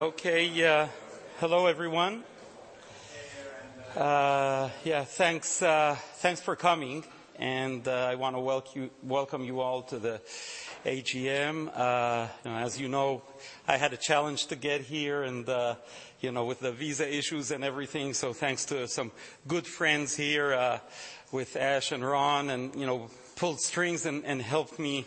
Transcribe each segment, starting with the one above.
Okay, hello everyone. Yeah, thanks, thanks for coming, and I want to welcome you all to the AGM. As you know, I had a challenge to get here and, you know, with the visa issues and everything, so thanks to some good friends here with Ash and Ron, and, you know, pulled strings and helped me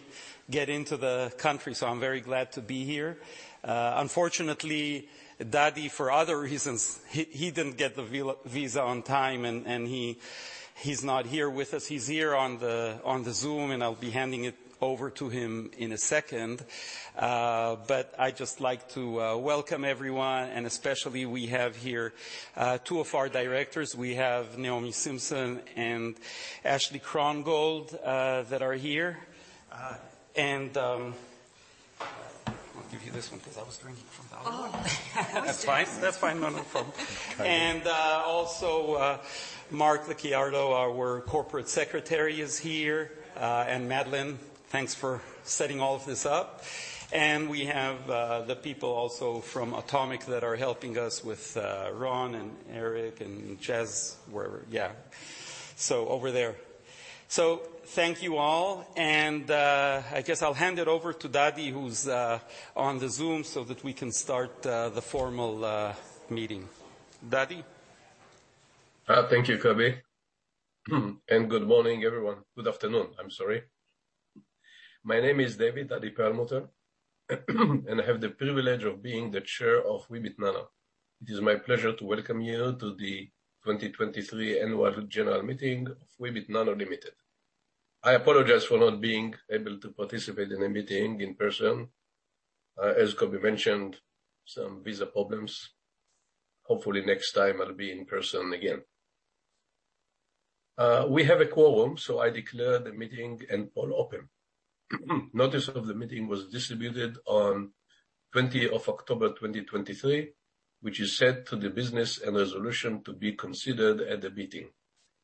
get into the country. So I'm very glad to be here. Unfortunately, Dadi, for other reasons, he didn't get the visa on time, and he’s not here with us. He's here on the Zoom, and I'll be handing it over to him in a second. But I'd just like to welcome everyone, and especially we have here two of our directors. We have Naomi Simson and Ashley Krongold that are here. I'll give you this one because I was drinking from the other one. Oh. That's fine. That's fine. No, no problem. Okay. Also, Mark Licciardo, our corporate secretary, is here. And Madeline, thanks for setting all of this up. And we have the people also from Automic that are helping us with Ron and Eric and Jess, wherever, yeah. So over there. So thank you all, and I guess I'll hand it over to Dadi, who's on the Zoom, so that we can start the formal meeting. Dadi? Thank you, Coby. And good morning, everyone. Good afternoon, I'm sorry. My name is David 'Dadi' Perlmutter, and I have the privilege of being the Chair of Weebit Nano. It is my pleasure to welcome you to the 2023 annual general meeting of Weebit Nano Limited. I apologize for not being able to participate in the meeting in person. As Coby mentioned, some visa problems. Hopefully, next time I'll be in person again. We have a quorum, so I declare the meeting and all open. Notice of the meeting was distributed on 20 October 2023, which is set to the business and resolution to be considered at the meeting,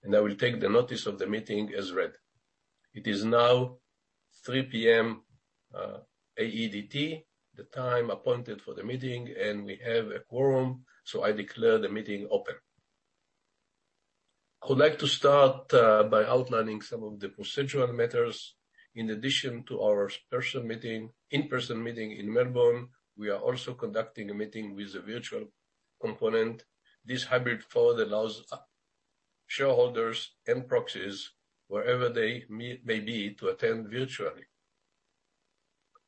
and I will take the notice of the meeting as read. It is now 3 PM, AEDT, the time appointed for the meeting, and we have a quorum, so I declare the meeting open. I would like to start by outlining some of the procedural matters. In addition to our personal meeting, in-person meeting in Melbourne, we are also conducting a meeting with a virtual component. This hybrid forum allows shareholders and proxies, wherever they may be, to attend virtually.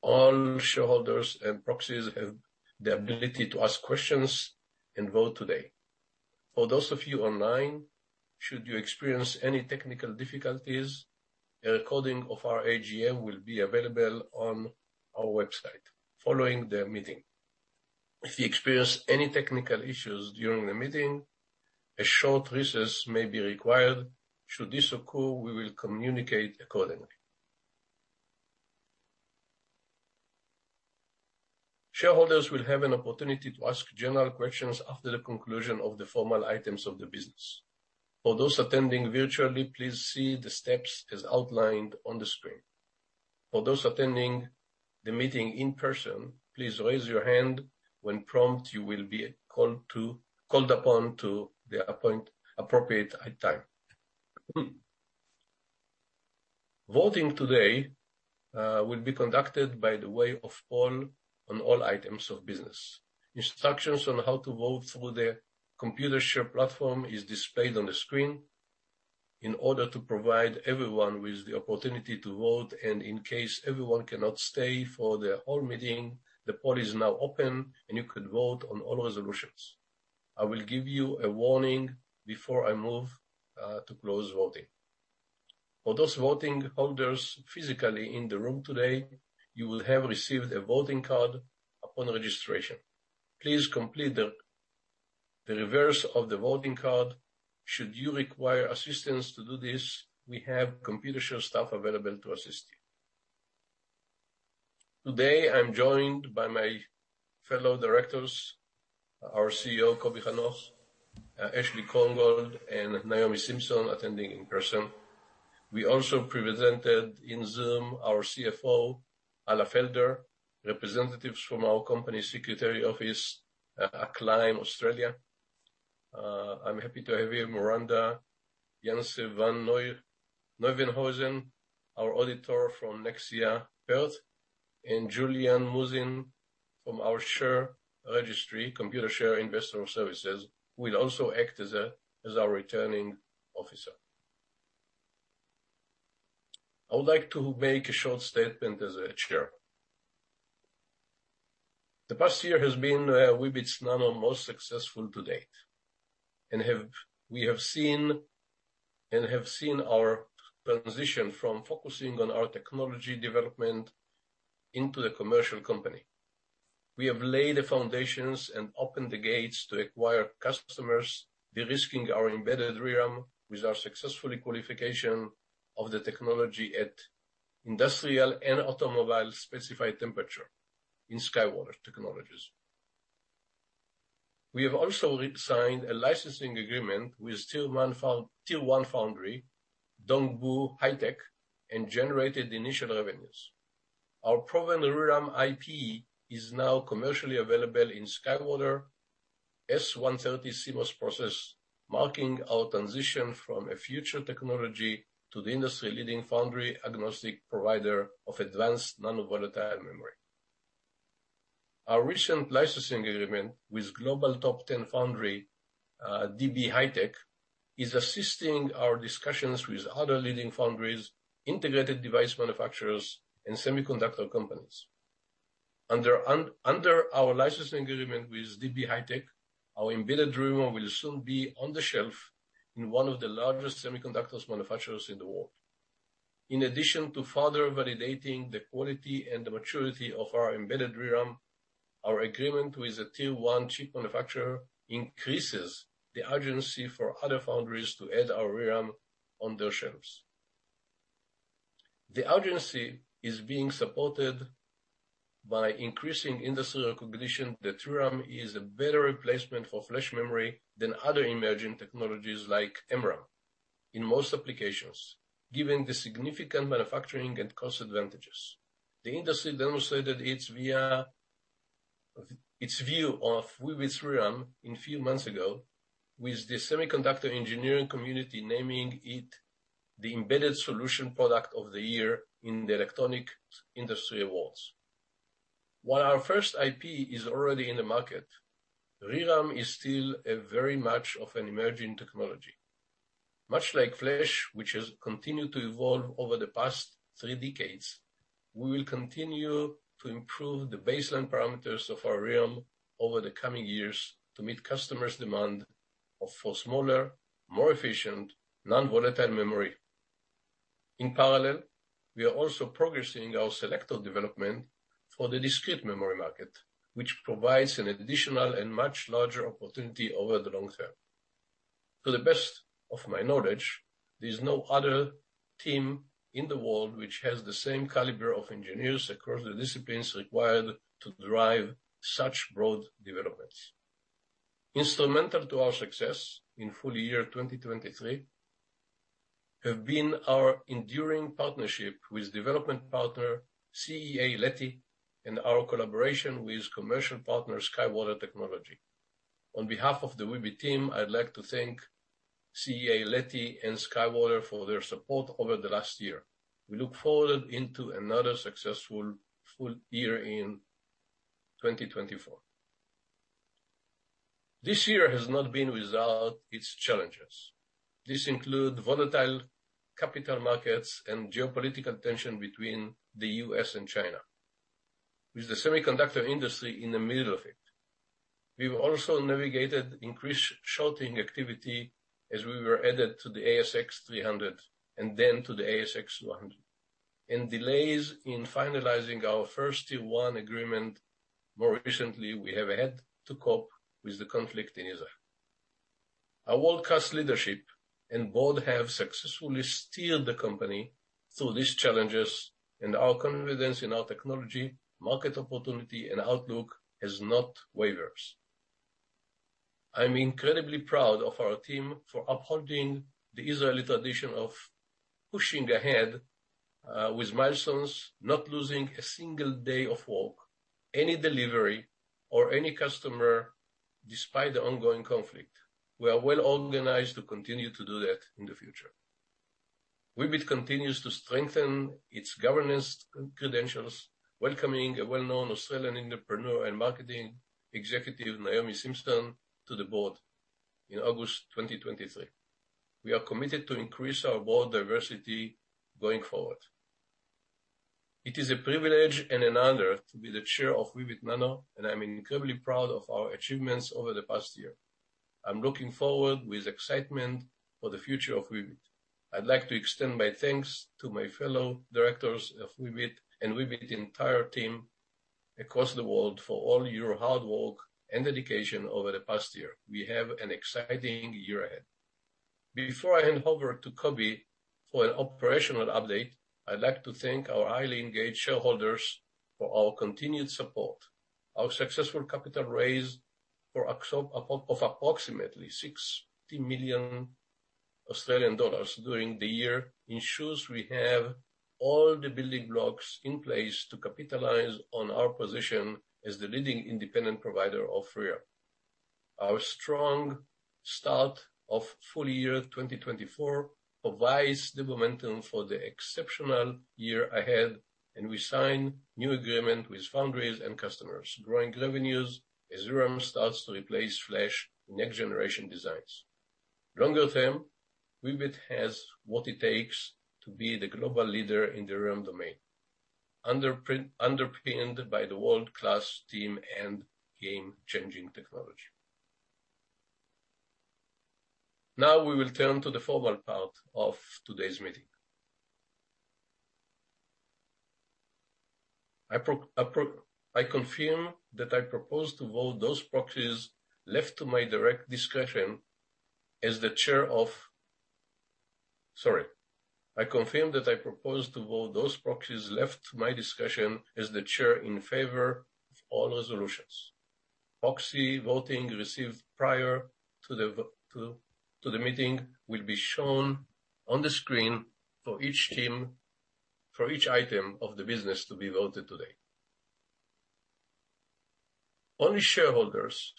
All shareholders and proxies have the ability to ask questions and vote today. For those of you online, should you experience any technical difficulties, a recording of our AGM will be available on our website following the meeting. If you experience any technical issues during the meeting, a short recess may be required. Should this occur, we will communicate accordingly. Shareholders will have an opportunity to ask general questions after the conclusion of the formal items of the business. For those attending virtually, please see the steps as outlined on the screen. For those attending the meeting in person, please raise your hand. When prompted, you will be called upon at the appropriate time. Voting today will be conducted by way of poll on all items of business. Instructions on how to vote through the Computershare platform is displayed on the screen. In order to provide everyone with the opportunity to vote, and in case everyone cannot stay for the whole meeting, the poll is now open, and you could vote on all resolutions. I will give you a warning before I move to close voting. For those voting holders physically in the room today, you will have received a voting card upon registration. Please complete the reverse of the voting card. Should you require assistance to do this, we have Computershare staff available to assist you. Today, I'm joined by my fellow directors, our CEO, Coby Hanoch, Ashley Krongold and Naomi Simson, attending in person. We also have present in Zoom our CFO, Alla Felder, representatives from our company secretary office, Mertons Corporate Services. I'm happy to have you, Muranda, Janse Van Nieuwenhuizen, our Auditor from Nexia Perth, and Julianne Muis from our share registry, Computershare Investor Services, who will also act as our returning officer. I would like to make a short statement as Chair. The past year has been Weebit Nano's most successful to date, and we have seen our transition from focusing on our technology development into a commercial company. We have laid the foundations and opened the gates to acquire customers, de-risking our embedded ReRAM with our successful qualification of the technology at industrial and automobile specified temperatures in SkyWater Technology. We have also re-signed a licensing agreement with tier one foundry, DB HiTek, and generated initial revenues. Our proven ReRAM IP is now commercially available in SkyWater, S130 CMOS process, marking our transition from a future technology to the industry-leading foundry agnostic provider of advanced non-volatile memory. Our recent licensing agreement with global top ten foundry, DB HiTek, is assisting our discussions with other leading foundries, integrated device manufacturers, and semiconductor companies. Under our licensing agreement with DB HiTek, our embedded ReRAM will soon be on the shelf in one of the largest semiconductor manufacturers in the world. In addition to further validating the quality and the maturity of our embedded ReRAM, our agreement with the tier one chip manufacturer increases the urgency for other foundries to add our ReRAM on their shelves. The urgency is being supported by increasing industrial recognition that ReRAM is a better replacement for flash memory than other emerging technologies like MRAM. In most applications, given the significant manufacturing and cost advantages, the industry demonstrated its view of Weebit ReRAM a few months ago, with the semiconductor engineering community naming it the Embedded Solution Product of the Year in the Electronics Industry Awards. While our first IP is already in the market, ReRAM is still very much of an emerging technology. Much like flash, which has continued to evolve over the past three decades, we will continue to improve the baseline parameters of our ReRAM over the coming years to meet customers' demand for smaller, more efficient, non-volatile memory. In parallel, we are also progressing our selector development for the discrete memory market, which provides an additional and much larger opportunity over the long term. To the best of my knowledge, there's no other team in the world which has the same caliber of engineers across the disciplines required to drive such broad developments. Instrumental to our success in full year 2023, have been our enduring partnership with development partner, CEA-Leti, and our collaboration with commercial partner, SkyWater Technology. On behalf of the Weebit team, I'd like to thank CEA-Leti and SkyWater for their support over the last year. We look forward into another successful full year in 2024. This year has not been without its challenges. This include volatile capital markets and geopolitical tension between the U.S. and China, with the semiconductor industry in the middle of it. We've also navigated increased shorting activity as we were added to the ASX 300 and then to the ASX 100, and delays in finalizing our first tier one agreement. More recently, we have had to cope with the conflict in Israel. Our world-class leadership and board have successfully steered the company through these challenges, and our confidence in our technology, market opportunity, and outlook has not wavers. I'm incredibly proud of our team for upholding the Israeli tradition of pushing ahead with milestones, not losing a single day of work, any delivery, or any customer, despite the ongoing conflict. We are well organized to continue to do that in the future. Weebit continues to strengthen its governance credentials, welcoming a well-known Australian entrepreneur and marketing executive, Naomi Simson, to the board in August 2023. We are committed to increase our board diversity going forward. It is a privilege and an honor to be the chair of Weebit Nano, and I'm incredibly proud of our achievements over the past year. I'm looking forward with excitement for the future of Weebit. I'd like to extend my thanks to my fellow directors of Weebit, and Weebit entire team across the world for all your hard work and dedication over the past year. We have an exciting year ahead. Before I hand over to Coby for an operational update, I'd like to thank our highly engaged shareholders for our continued support. Our successful capital raise of approximately 60 million Australian dollars during the year ensures we have all the building blocks in place to capitalize on our position as the leading independent provider of ReRAM. Our strong start of full year 2024 provides the momentum for the exceptional year ahead, and we sign new agreement with foundries and customers, growing revenues as ReRAM starts to replace flash in next generation designs. Longer term, Weebit has what it takes to be the global leader in the ReRAM domain, underpinned by the world-class team and game-changing technology. Now we will turn to the formal part of today's meeting. I confirm that I propose to vote those proxies left to my direct discretion as the chair of Weebit. Sorry. I confirm that I propose to vote those proxies left to my discretion as the chair in favor of all resolutions. Proxy voting received prior to the meeting will be shown on the screen for each item of the business to be voted today. Only shareholders,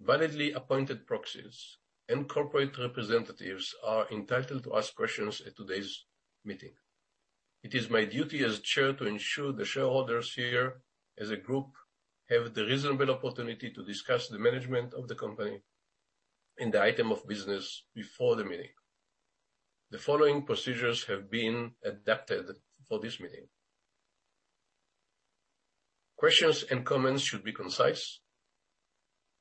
validly appointed proxies, and corporate representatives are entitled to ask questions at today's meeting. It is my duty as chair to ensure the shareholders here, as a group, have the reasonable opportunity to discuss the management of the company and the item of business before the meeting. The following procedures have been adapted for this meeting. Questions and comments should be concise.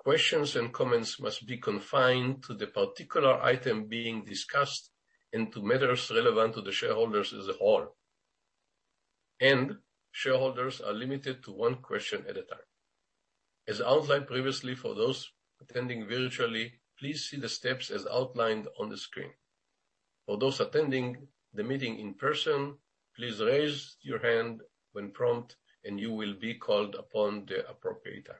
Questions and comments must be confined to the particular item being discussed and to matters relevant to the shareholders as a whole. Shareholders are limited to one question at a time. As outlined previously, for those attending virtually, please see the steps as outlined on the screen. For those attending the meeting in person, please raise your hand when prompted, and you will be called upon at the appropriate time.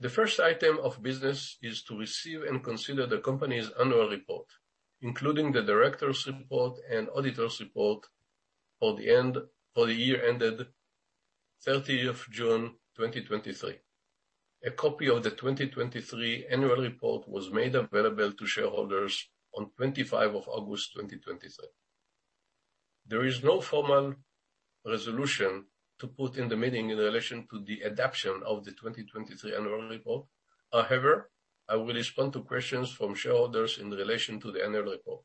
The first item of business is to receive and consider the company's annual report, including the director's report and auditor's report for the year ended 30th of June 2023. A copy of the 2023 annual report was made available to shareholders on 25th of August 2023. There is no formal resolution to put in the meeting in relation to the adoption of the 2023 annual report. However, I will respond to questions from shareholders in relation to the annual report.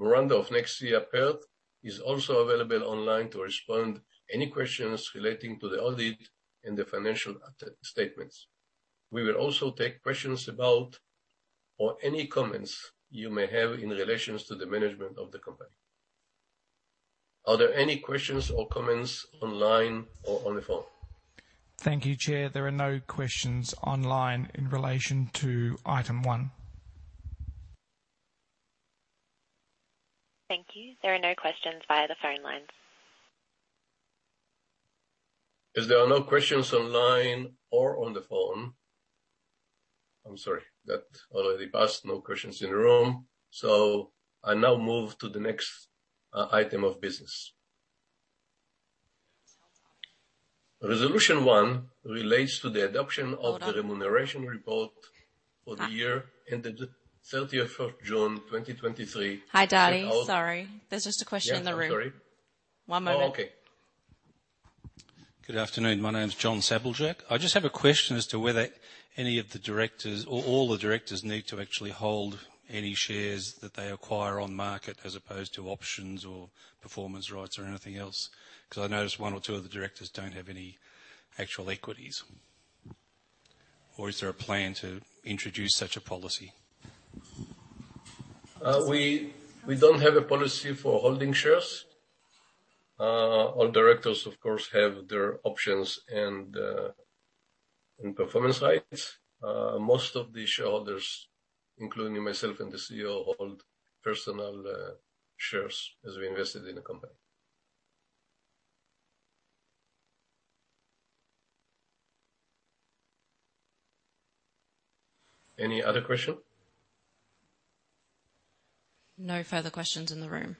Muiranda of Nexia Perth is also available online to respond any questions relating to the audit and the financial statements. We will also take questions about or any comments you may have in relation to the management of the company. Are there any questions or comments online or on the phone? Thank you, Chair. There are no questions online in relation to item one. Thank you. There are no questions via the phone lines. As there are no questions online or on the phone... I'm sorry, that already passed. No questions in the room, so I now move to the next item of business. Resolution 1 relates to the adoption of the- Hold on. - Remuneration report for the year ended 30th June 2023. Hi, Dadi. Sorry, there's just a question in the room. Yes, I'm sorry. One moment. Oh, okay. Good afternoon. My name is John Sabljak. I just have a question as to whether any of the directors or all the directors need to actually hold any shares that they acquire on market, as opposed to options or performance rights or anything else, because I noticed one or two of the directors don't have any actual equities. Or is there a plan to introduce such a policy? We don't have a policy for holding shares. All directors, of course, have their options and performance rights. Most of the shareholders, including myself and the CEO, hold personal shares as we invested in the company. Any other question? No further questions in the room.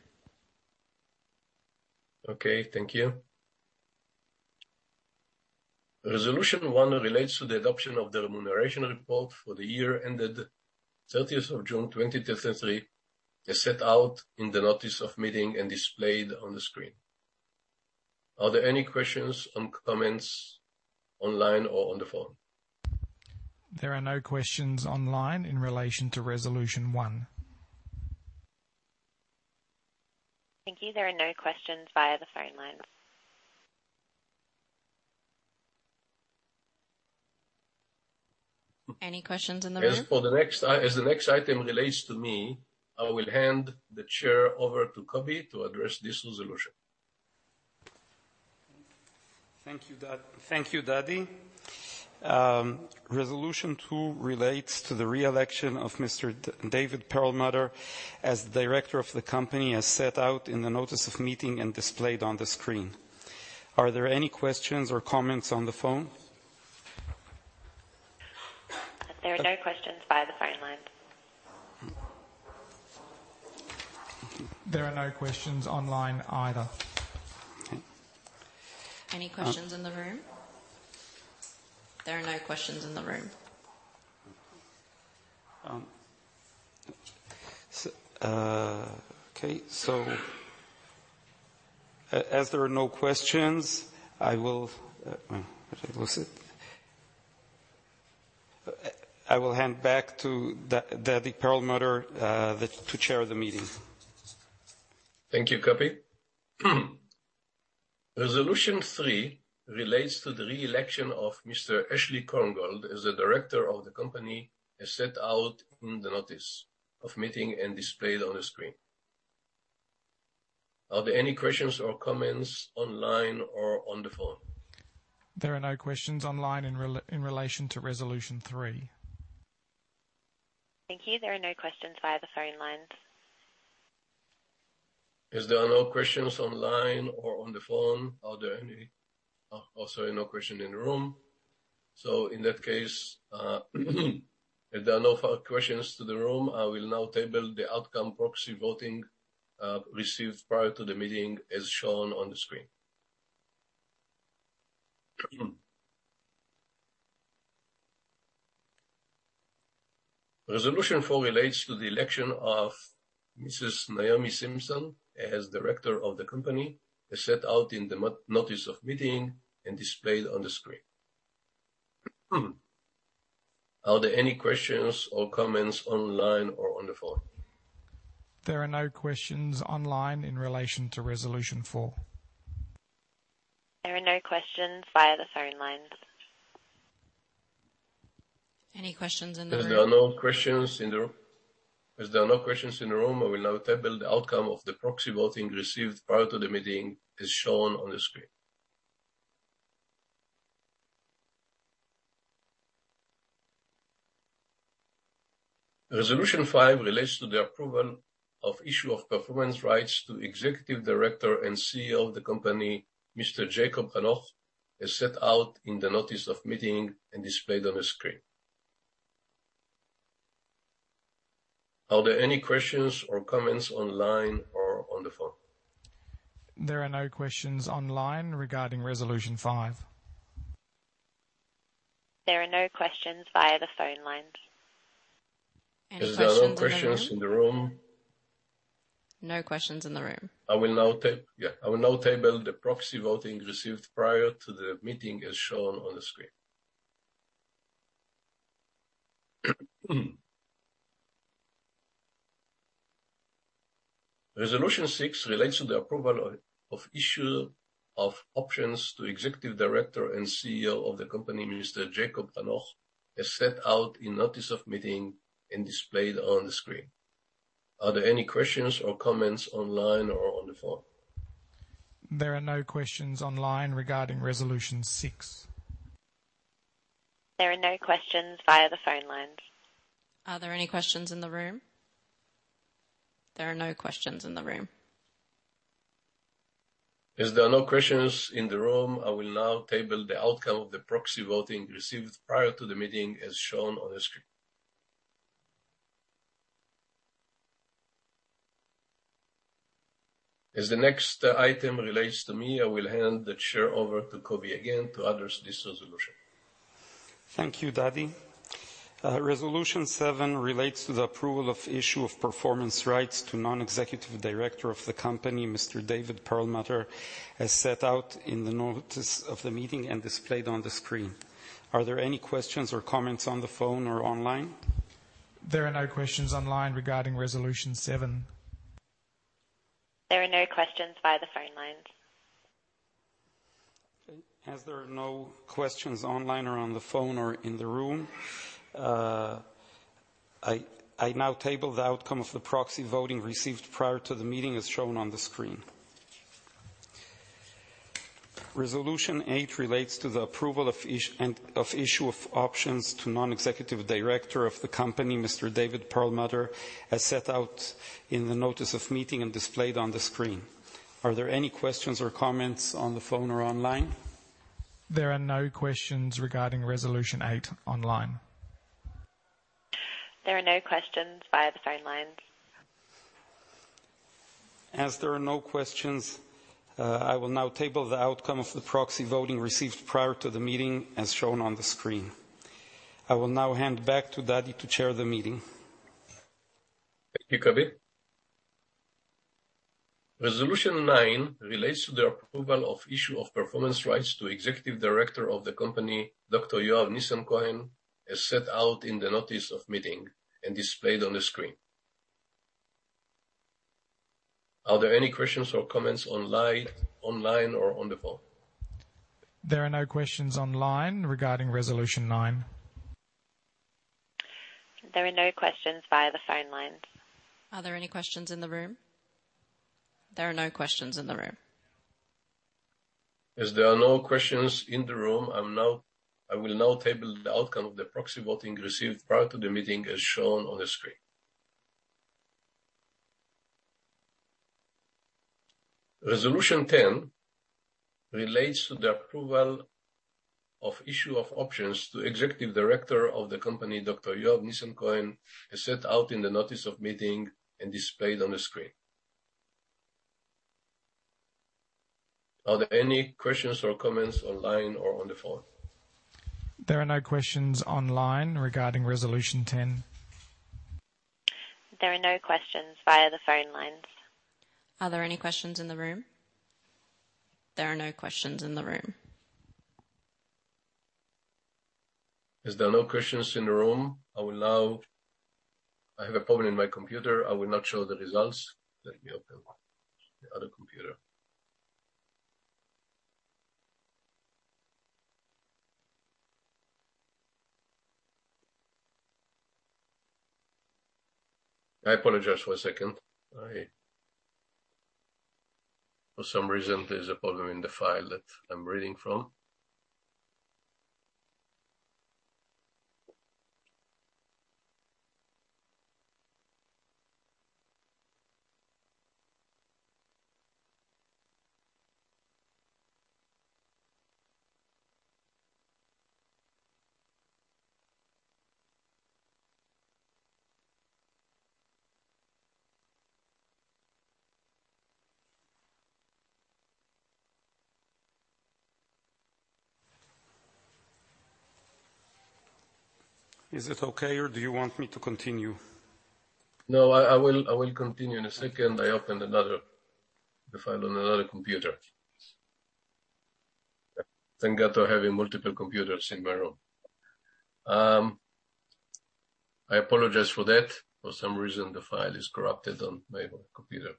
Okay. Thank you. Resolution 1 relates to the adoption of the remuneration report for the year ended 30th of June 2023, as set out in the notice of meeting and displayed on the screen. Are there any questions and comments online or on the phone? There are no questions online in relation to resolution one. Thank you. There are no questions via the phone lines. Any questions in the room? As the next item relates to me, I will hand the chair over to Coby to address this resolution. Thank you, Dadi. Thank you, Dadi. Resolution two relates to the re-election of Mr. David Perlmutter, as the director of the company, as set out in the notice of meeting and displayed on the screen. Are there any questions or comments on the phone? There are no questions via the phone lines. There are no questions online either. Any questions in the room? There are no questions in the room. As there are no questions, I will... Where was it? I will hand back to Dadi Perlmutter to chair the meeting. Thank you, Coby. Resolution three relates to the re-election of Mr. Ashley Krongold as the director of the company, as set out in the notice of meeting and displayed on the screen. Are there any questions or comments online or on the phone? There are no questions online in relation to resolution three. Thank you. There are no questions via the phone lines. As there are no questions online or on the phone, are there and? Also, no question in the room. So in that case, if there are no further questions to the room, I will now table the outcome proxy voting, received prior to the meeting, as shown on the screen. Resolution four relates to the election of Mrs. Naomi Simson as director of the company, as set out in the notice of meeting and displayed on the screen. Are there any questions or comments online or on the phone? There are no questions online in relation to resolution four. There are no questions via the phone lines. Any questions in the room? As there are no questions in the room, I will now table the outcome of the proxy voting received prior to the meeting, as shown on the screen. Resolution 5 relates to the approval of issue of performance rights to Executive Director and CEO of the company, Mr. Coby Hanoch, as set out in the notice of meeting and displayed on the screen. Are there any questions or comments online or on the phone? There are no questions online regarding resolution five. There are no questions via the phone lines. Any questions in the room? Is there no questions in the room? No questions in the room. I will now table the proxy voting received prior to the meeting, as shown on the screen. Resolution 6 relates to the approval of issue of options to Executive Director and CEO of the company, Mr. Coby Hanoch, as set out in notice of meeting and displayed on the screen. Are there any questions or comments online or on the phone? There are no questions online regarding Resolution 6. There are no questions via the phone lines. Are there any questions in the room? There are no questions in the room. As there are no questions in the room, I will now table the outcome of the proxy voting received prior to the meeting, as shown on the screen. As the next item relates to me, I will hand the chair over to Coby again, to address this resolution. Thank you, Dadi. Resolution 7 relates to the approval of issue of performance rights to Non-Executive Director of the company, Mr. David Perlmutter, as set out in the notice of the meeting and displayed on the screen. Are there any questions or comments on the phone or online? There are no questions online regarding resolution 7. There are no questions via the phone lines. Okay. As there are no questions online or on the phone or in the room, I now table the outcome of the proxy voting received prior to the meeting, as shown on the screen. Resolution eight relates to the approval of is... and of issue of options to Non-Executive Director of the company, Mr. David Perlmutter, as set out in the notice of meeting and displayed on the screen. Are there any questions or comments on the phone or online? There are no questions regarding resolution 8 online. There are no questions via the phone lines. As there are no questions, I will now table the outcome of the proxy voting received prior to the meeting, as shown on the screen. I will now hand back to Dadi to chair the meeting. Thank you, Coby. Resolution 9 relates to the approval of issue of performance rights to Executive Director of the company, Dr. Yoav Nissan-Cohen, as set out in the notice of meeting and displayed on the screen. Are there any questions or comments online, online or on the phone? There are no questions online regarding resolution nine. There are no questions via the phone lines. Are there any questions in the room? There are no questions in the room. As there are no questions in the room, I will now table the outcome of the proxy voting received prior to the meeting, as shown on the screen. Resolution 10 relates to the approval of issue of options to Executive Director of the company, Dr. Yoav Nissan-Cohen, as set out in the notice of meeting and displayed on the screen. Are there any questions or comments online or on the phone? There are no questions online regarding resolution 10. There are no questions via the phone lines. Are there any questions in the room? There are no questions in the room. As there are no questions in the room, I will now. I have a problem in my computer. I will not show the results. Let me open the other computer. I apologize for a second. For some reason, there's a problem in the file that I'm reading from. Is it okay or do you want me to continue? No, I will continue in a second. I opened another, the file on another computer. Thank God to having multiple computers in my room. I apologize for that. For some reason, the file is corrupted on my computer.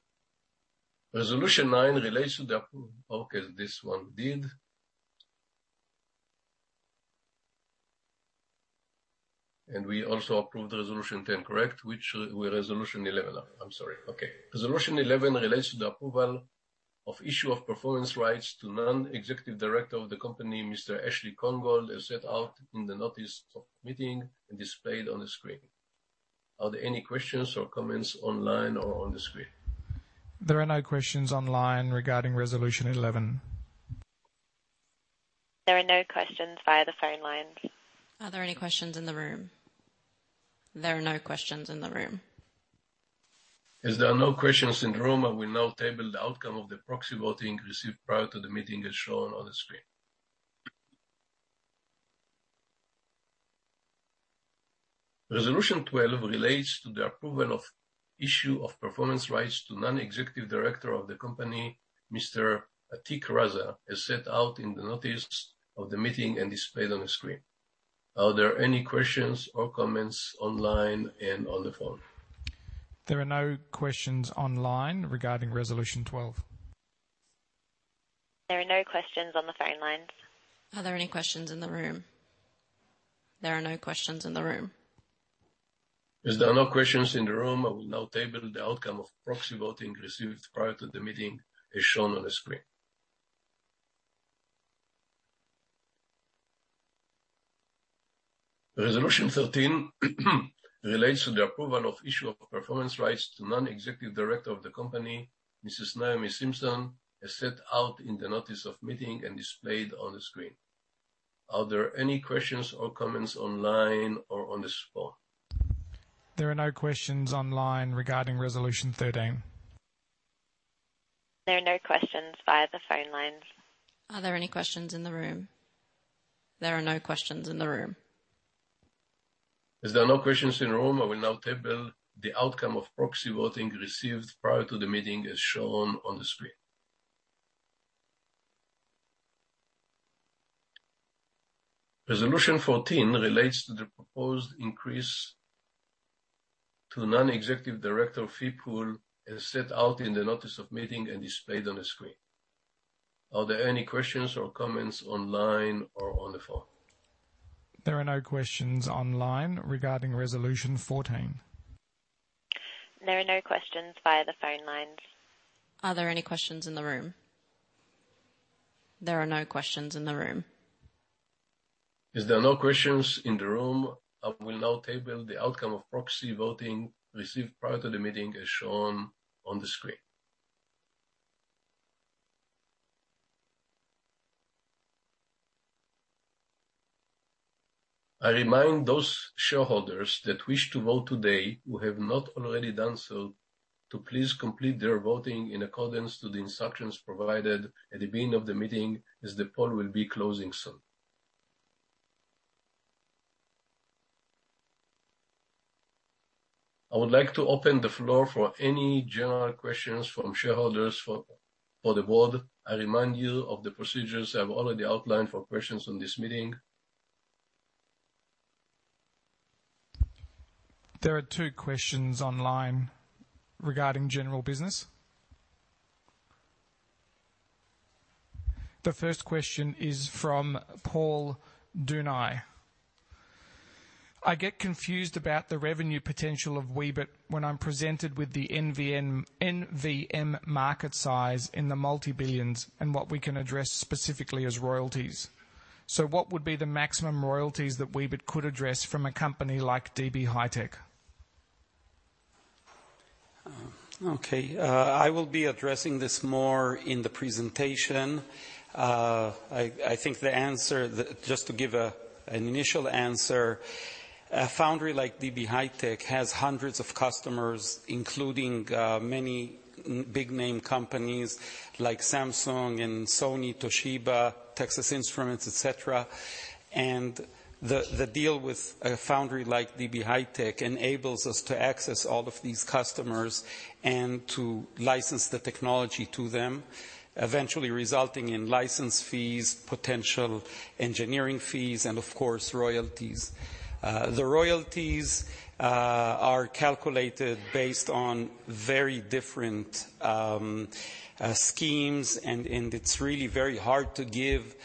Resolution 9 relates to the appro-- Okay, this one did. And we also approved resolution 10, correct? Which was resolution 11. I'm sorry. Okay. Resolution 11 relates to the approval of issue of performance rights to Non-Executive Director of the company, Mr. Ashley Krongold, as set out in the notice of meeting and displayed on the screen. Are there any questions or comments online or on the screen? There are no questions online regarding resolution 11. There are no questions via the phone lines. Are there any questions in the room? There are no questions in the room. As there are no questions in the room, I will now table the outcome of the proxy voting received prior to the meeting, as shown on the screen. Resolution 12 relates to the approval of issue of performance rights to Non-Executive Director of the company, Mr. Atiq Raza, as set out in the notice of the meeting and displayed on the screen. Are there any questions or comments online and on the phone? There are no questions online regarding resolution 12. There are no questions on the phone lines. Are there any questions in the room? There are no questions in the room. As there are no questions in the room, I will now table the outcome of proxy voting received prior to the meeting, as shown on the screen. Resolution 13 relates to the approval of issue of performance rights to Non-Executive Director of the company, Mrs. Naomi Simson, as set out in the notice of meeting and displayed on the screen. Are there any questions or comments online or on the spot? There are no questions online regarding resolution 13. There are no questions via the phone lines. Are there any questions in the room? There are no questions in the room. As there are no questions in the room, I will now table the outcome of proxy voting received prior to the meeting, as shown on the screen. Resolution 14 relates to the proposed increase to Non-Executive Director fee pool, as set out in the notice of meeting and displayed on the screen. Are there any questions or comments online or on the phone? There are no questions online regarding resolution 14. There are no questions via the phone lines. Are there any questions in the room? There are no questions in the room. As there are no questions in the room, I will now table the outcome of proxy voting received prior to the meeting, as shown on the screen. I remind those shareholders that wish to vote today, who have not already done so, to please complete their voting in accordance to the instructions provided at the beginning of the meeting, as the poll will be closing soon. I would like to open the floor for any general questions from shareholders for the board. I remind you of the procedures I've already outlined for questions on this meeting. There are two questions online regarding general business. The first question is from Paul Dunai. "I get confused about the revenue potential of Weebit when I'm presented with the NVM, NVM market size in the multi-billions and what we can address specifically as royalties. So what would be the maximum royalties that Weebit could address from a company like DB HiTek? Okay, I will be addressing this more in the presentation. I think the answer. Just to give an initial answer, a foundry like DB HiTek has hundreds of customers, including many big name companies like Samsung and Sony, Toshiba, Texas Instruments, et cetera. And the deal with a foundry like DB HiTek enables us to access all of these customers and to license the technology to them, eventually resulting in license fees, potential engineering fees, and of course, royalties. The royalties are calculated based on very different schemes, and it's really very hard to give,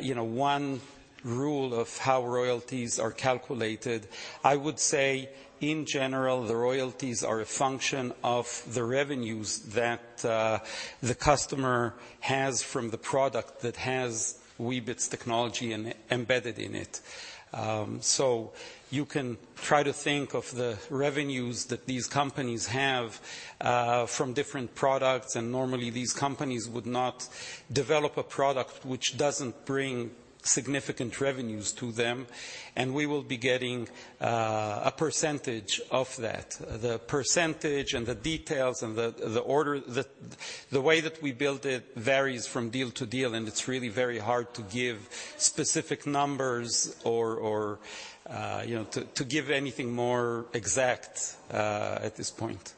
you know, one rule of how royalties are calculated. I would say, in general, the royalties are a function of the revenues that the customer has from the product that has Weebit's technology in, embedded in it. So you can try to think of the revenues that these companies have from different products, and normally, these companies would not develop a product which doesn't bring significant revenues to them, and we will be getting a percentage of that. The percentage, and the details, and the order, the way that we built it varies from deal to deal, and it's really very hard to give specific numbers or you know, to give anything more exact at this point.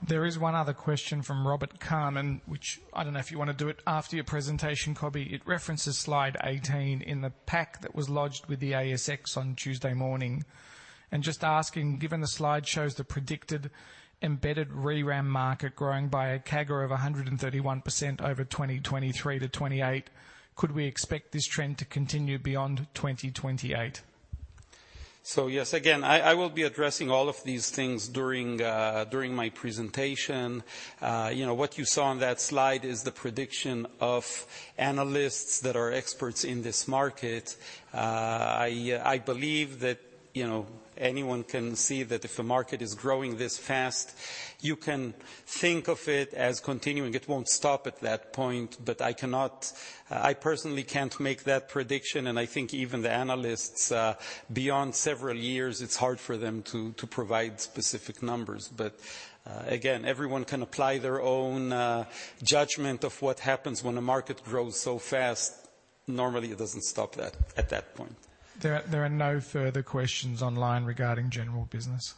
There is one other question from Robert Carmen, which I don't know if you want to do it after your presentation, Coby. It references slide 18 in the pack that was lodged with the ASX on Tuesday morning. Just asking, given the slide shows the predicted embedded ReRAM market growing by a CAGR of 131% over 2023-2028, could we expect this trend to continue beyond 2028? So yes, again, I will be addressing all of these things during my presentation. You know, what you saw on that slide is the prediction of analysts that are experts in this market. I believe that, you know, anyone can see that if a market is growing this fast, you can think of it as continuing. It won't stop at that point, but I cannot... I personally can't make that prediction, and I think even the analysts, beyond several years, it's hard for them to provide specific numbers. But again, everyone can apply their own judgment of what happens when the market grows so fast. Normally, it doesn't stop that, at that point. There are no further questions online regarding general business.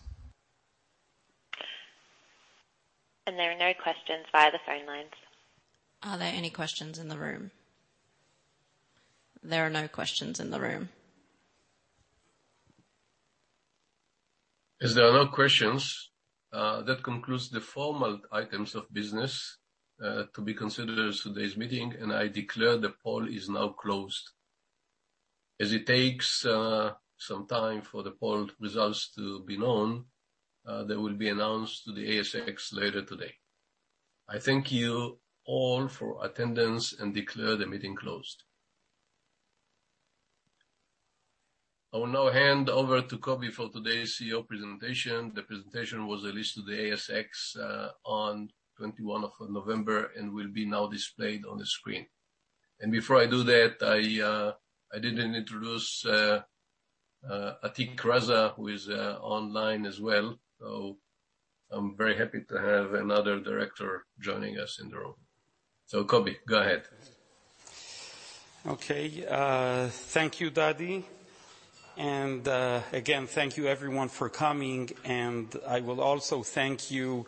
There are no questions via the phone lines. Are there any questions in the room? There are no questions in the room. As there are no questions, that concludes the formal items of business, to be considered at today's meeting, and I declare the poll is now closed. As it takes some time for the poll results to be known, they will be announced to the ASX later today. I thank you all for attendance and declare the meeting closed. I will now hand over to Coby for today's CEO presentation. The presentation was released to the ASX on 21 of November and will be now displayed on the screen. And before I do that, I, I didn't introduce, Atiq Raza, who is online as well. So I'm very happy to have another director joining us in the room. So, Coby, go ahead. Okay. Thank you, Dadi. And again, thank you everyone for coming, and I will also thank you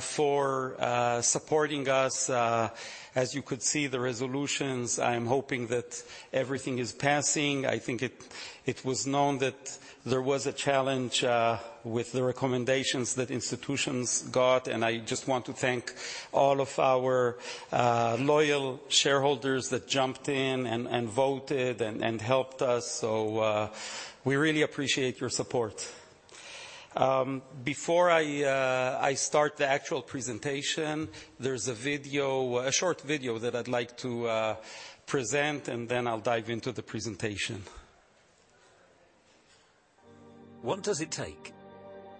for supporting us. As you could see, the resolutions, I'm hoping that everything is passing. I think it was known that there was a challenge with the recommendations that institutions got, and I just want to thank all of our loyal shareholders that jumped in and voted and helped us. So we really appreciate your support. Before I start the actual presentation, there's a video, a short video that I'd like to present, and then I'll dive into the presentation. What does it take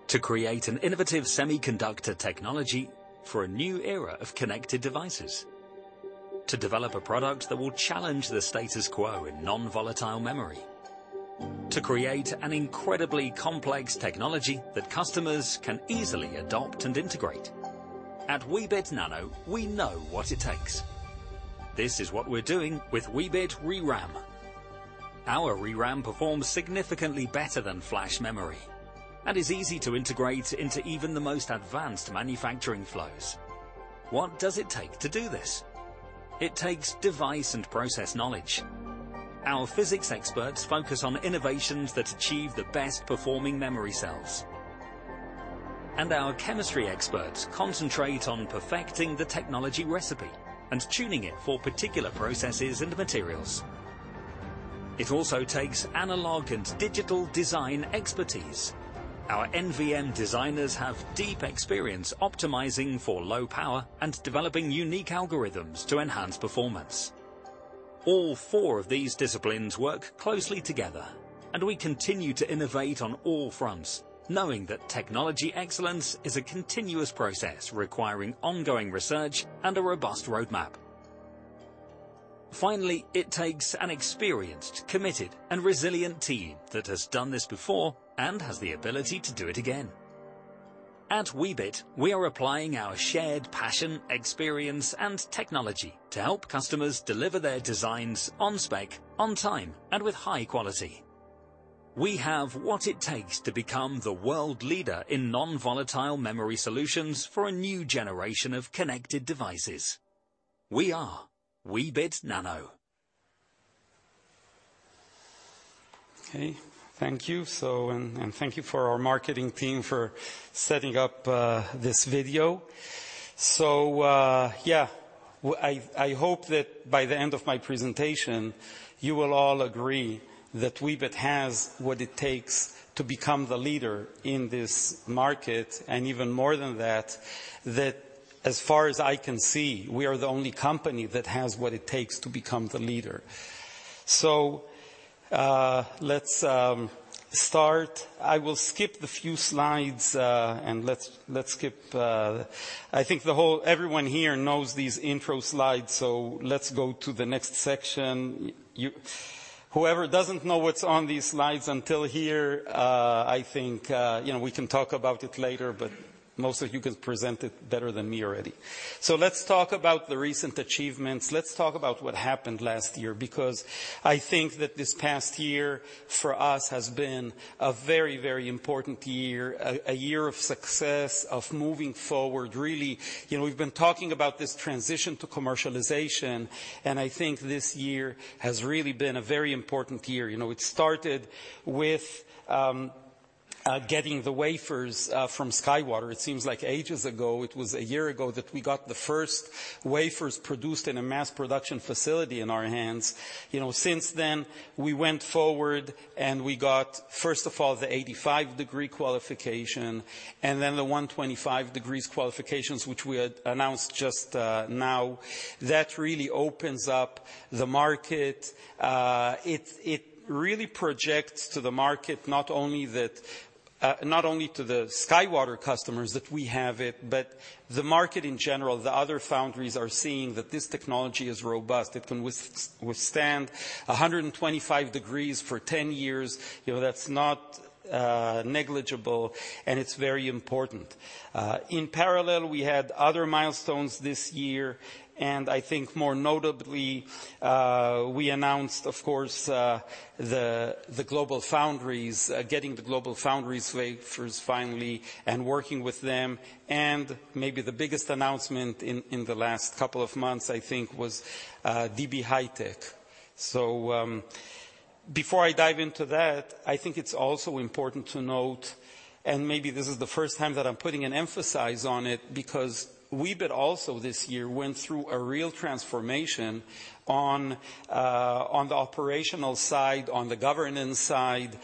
to create an innovative semiconductor technology for a new era of connected devices? To develop a product that will challenge the status quo in non-volatile memory, to create an incredibly complex technology that customers can easily adopt and integrate? At Weebit Nano, we know what it takes. This is what we're doing with Weebit ReRAM. Our ReRAM performs significantly better than flash memory, and is easy to integrate into even the most advanced manufacturing flows. What does it take to do this? It takes device and process knowledge. Our physics experts focus on innovations that achieve the best-performing memory cells. And our chemistry experts concentrate on perfecting the technology recipe and tuning it for particular processes and materials. It also takes analog and digital design expertise. Our NVM designers have deep experience optimizing for low power and developing unique algorithms to enhance performance. All four of these disciplines work closely together, and we continue to innovate on all fronts, knowing that technology excellence is a continuous process, requiring ongoing research and a robust roadmap. Finally, it takes an experienced, committed, and resilient team that has done this before and has the ability to do it again. At Weebit, we are applying our shared passion, experience, and technology to help customers deliver their designs on spec, on time, and with high quality.... We have what it takes to become the world leader in non-volatile memory solutions for a new generation of connected devices. We are Weebit Nano. Okay, thank you. So, and thank you for our marketing team for setting up this video. So, yeah, well, I hope that by the end of my presentation, you will all agree that Weebit has what it takes to become the leader in this market, and even more than that, that as far as I can see, we are the only company that has what it takes to become the leader. So, let's start. I will skip the few slides, and let's skip... I think everyone here knows these intro slides, so let's go to the next section. Whoever doesn't know what's on these slides until here, I think, you know, we can talk about it later, but most of you can present it better than me already. So let's talk about the recent achievements. Let's talk about what happened last year, because I think that this past year, for us, has been a very, very important year, a, a year of success, of moving forward, really. You know, we've been talking about this transition to commercialization, and I think this year has really been a very important year. You know, it started with getting the wafers from SkyWater. It seems like ages ago, it was a year ago, that we got the first wafers produced in a mass production facility in our hands. You know, since then, we went forward and we got, first of all, the 85 degree qualification, and then the 125 degrees qualifications, which we had announced just now. That really opens up the market. It really projects to the market, not only to the SkyWater customers that we have it, but the market in general. The other foundries are seeing that this technology is robust. It can withstand 125 degrees for 10 years. You know, that's not negligible, and it's very important. In parallel, we had other milestones this year, and I think more notably, we announced, of course, the GlobalFoundries getting the GlobalFoundries wafers finally and working with them. And maybe the biggest announcement in the last couple of months, I think, was DB HiTek. So, before I dive into that, I think it's also important to note, and maybe this is the first time that I'm putting an emphasis on it, because Weebit also, this year, went through a real transformation on, on the operational side, on the governance side.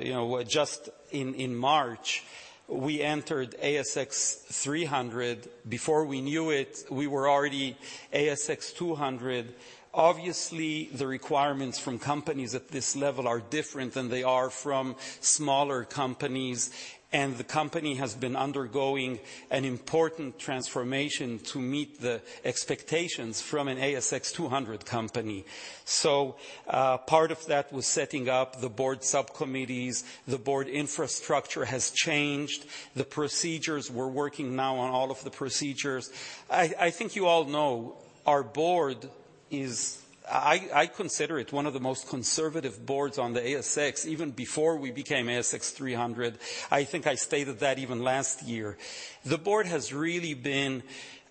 You know, just in March, we entered ASX 300. Before we knew it, we were already ASX 200. Obviously, the requirements from companies at this level are different than they are from smaller companies, and the company has been undergoing an important transformation to meet the expectations from an ASX 200 company. So, part of that was setting up the board subcommittees. The board infrastructure has changed. The procedures, we're working now on all of the procedures. I think you all know our board is... I consider it one of the most conservative boards on the ASX, even before we became ASX 300. I think I stated that even last year. The board has really been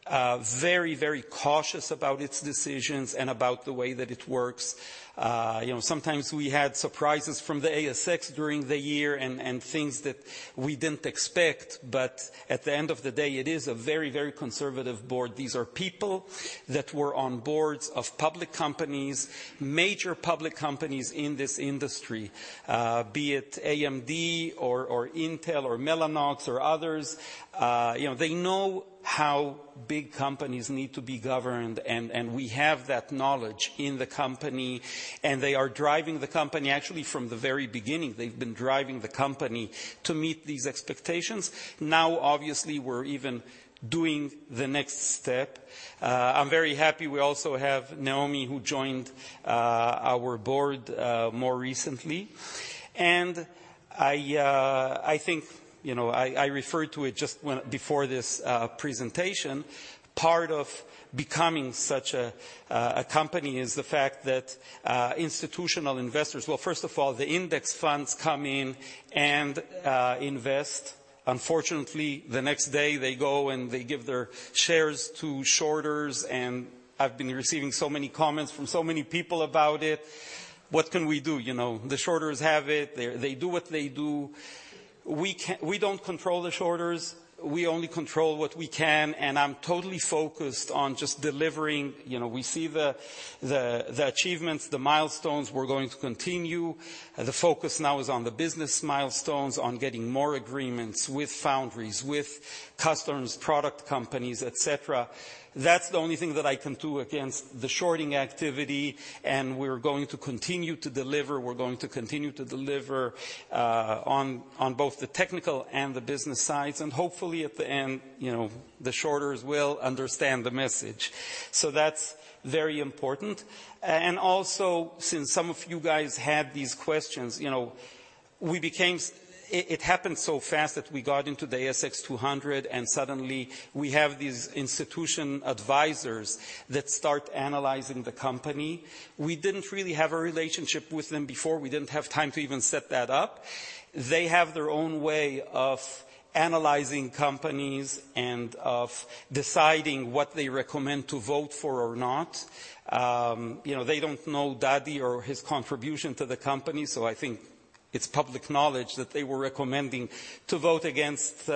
very, very cautious about its decisions and about the way that it works. You know, sometimes we had surprises from the ASX during the year and things that we didn't expect, but at the end of the day, it is a very, very conservative board. These are people that were on boards of public companies, major public companies in this industry, be it AMD or Intel or Mellanox or others. You know, they know how big companies need to be governed, and we have that knowledge in the company, and they are driving the company. Actually, from the very beginning, they've been driving the company to meet these expectations. Now, obviously, we're even doing the next step. I'm very happy we also have Naomi, who joined our board more recently. I think, you know, I referred to it just when, before this presentation, part of becoming such a company is the fact that institutional investors. Well, first of all, the index funds come in and invest. Unfortunately, the next day, they go and they give their shares to shorters, and I've been receiving so many comments from so many people about it. What can we do? You know, the shorters have it. They do what they do. We don't control the shorters. We only control what we can, and I'm totally focused on just delivering. You know, we see the achievements, the milestones. We're going to continue. The focus now is on the business milestones, on getting more agreements with foundries, with customers, product companies, et cetera. That's the only thing that I can do against the shorting activity, and we're going to continue to deliver. We're going to continue to deliver on both the technical and the business sides, and hopefully, at the end, you know, the shorters will understand the message. So that's very important. And also, since some of you guys had these questions, you know, it happened so fast that we got into the ASX 200, and suddenly we have these institutional advisors that start analyzing the company. We didn't really have a relationship with them before. We didn't have time to even set that up. They have their own way of analyzing companies and of deciding what they recommend to vote for or not. You know, they don't know Dadi or his contribution to the company, so I think it's public knowledge that they were recommending to vote against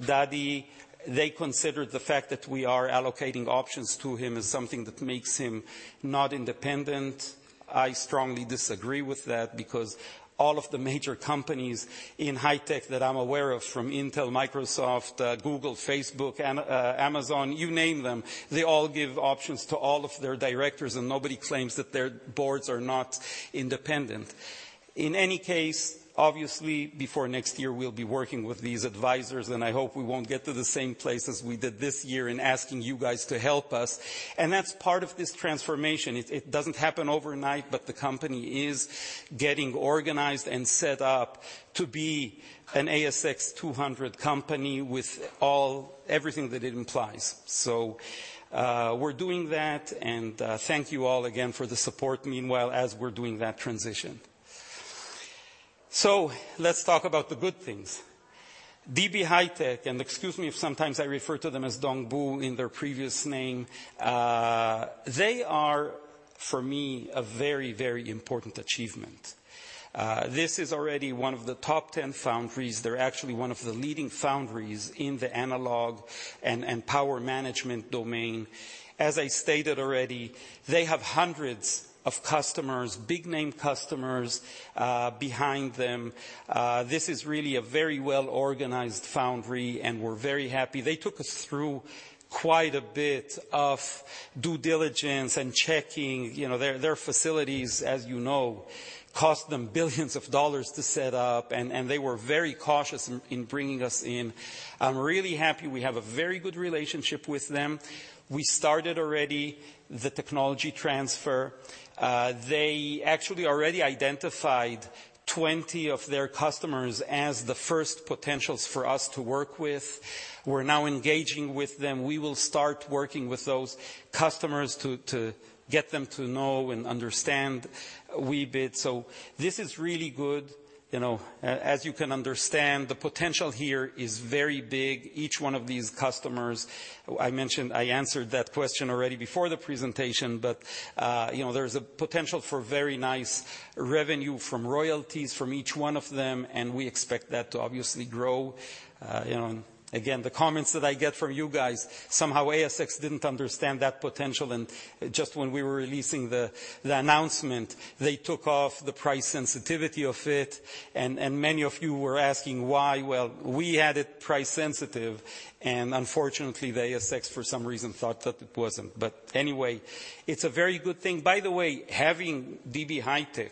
Dadi. They considered the fact that we are allocating options to him as something that makes him not independent. I strongly disagree with that because all of the major companies in high tech that I'm aware of, from Intel, Microsoft, Google, Facebook, Amazon, you name them, they all give options to all of their directors, and nobody claims that their boards are not independent. In any case, obviously, before next year, we'll be working with these advisors, and I hope we won't get to the same place as we did this year in asking you guys to help us, and that's part of this transformation. It doesn't happen overnight, but the company is getting organized and set up to be an ASX 200 company with everything that it implies. So, we're doing that, and thank you all again for the support meanwhile as we're doing that transition. So let's talk about the good things. DB HiTek, and excuse me if sometimes I refer to them as Dongbu in their previous name, they are, for me, a very, very important achievement. This is already one of the top 10 foundries. They're actually one of the leading foundries in the analog and power management domain. As I stated already, they have hundreds of customers, big-name customers, behind them. This is really a very well-organized foundry, and we're very happy. They took us through quite a bit of due diligence and checking. You know, their facilities, as you know, cost them billions of dollars to set up, and they were very cautious in bringing us in. I'm really happy we have a very good relationship with them. We started already the technology transfer. They actually already identified 20 of their customers as the first potentials for us to work with. We're now engaging with them. We will start working with those customers to get them to know and understand Weebit. So this is really good. You know, as you can understand, the potential here is very big. Each one of these customers, I mentioned—I answered that question already before the presentation, but, you know, there's a potential for very nice revenue from royalties from each one of them, and we expect that to obviously grow. You know, again, the comments that I get from you guys, somehow ASX didn't understand that potential, and just when we were releasing the announcement, they took off the price sensitivity of it, and many of you were asking why. Well, we had it price sensitive, and unfortunately, the ASX, for some reason, thought that it wasn't. But anyway, it's a very good thing. By the way, having DB HiTek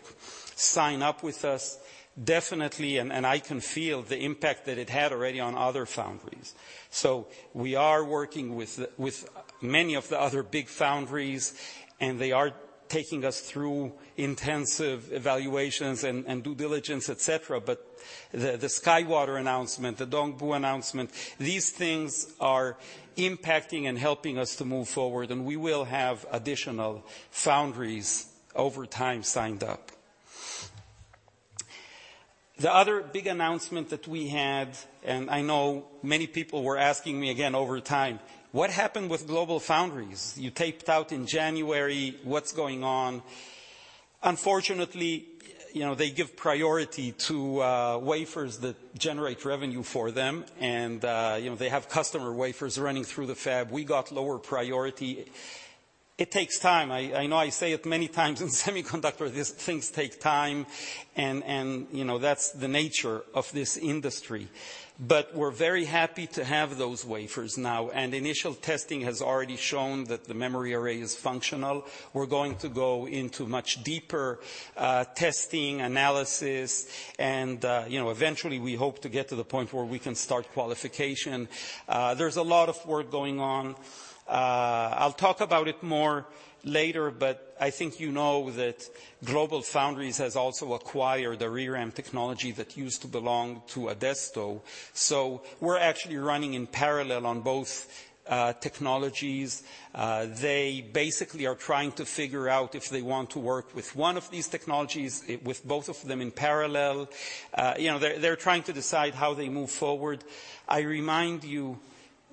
sign up with us, definitely, and I can feel the impact that it had already on other foundries. So we are working with many of the other big foundries, and they are taking us through intensive evaluations and due diligence, et cetera. But the SkyWater announcement, the DB HiTek announcement, these things are impacting and helping us to move forward, and we will have additional foundries over time signed up. The other big announcement that we had, and I know many people were asking me again over time, "What happened with GlobalFoundries? You taped out in January. What's going on?" Unfortunately, you know, they give priority to wafers that generate revenue for them, and you know, they have customer wafers running through the fab. We got lower priority. It takes time. I know I say it many times in semiconductor, these things take time, and you know, that's the nature of this industry. But we're very happy to have those wafers now, and initial testing has already shown that the memory array is functional. We're going to go into much deeper testing, analysis, and you know, eventually, we hope to get to the point where we can start qualification. There's a lot of work going on. I'll talk about it more later, but I think you know that GlobalFoundries has also acquired the ReRAM technology that used to belong to Adesto, so we're actually running in parallel on both technologies. They basically are trying to figure out if they want to work with one of these technologies, with both of them in parallel. You know, they're trying to decide how they move forward. I remind you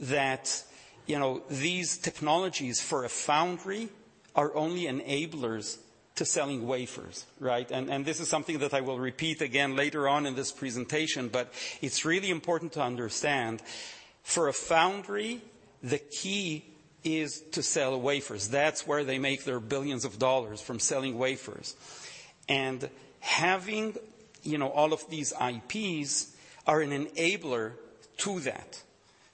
that, you know, these technologies for a foundry are only enablers to selling wafers, right? And this is something that I will repeat again later on in this presentation, but it's really important to understand. For a foundry, the key is to sell wafers. That's where they make their $ billions, from selling wafers. And having, you know, all of these IPs are an enabler to that.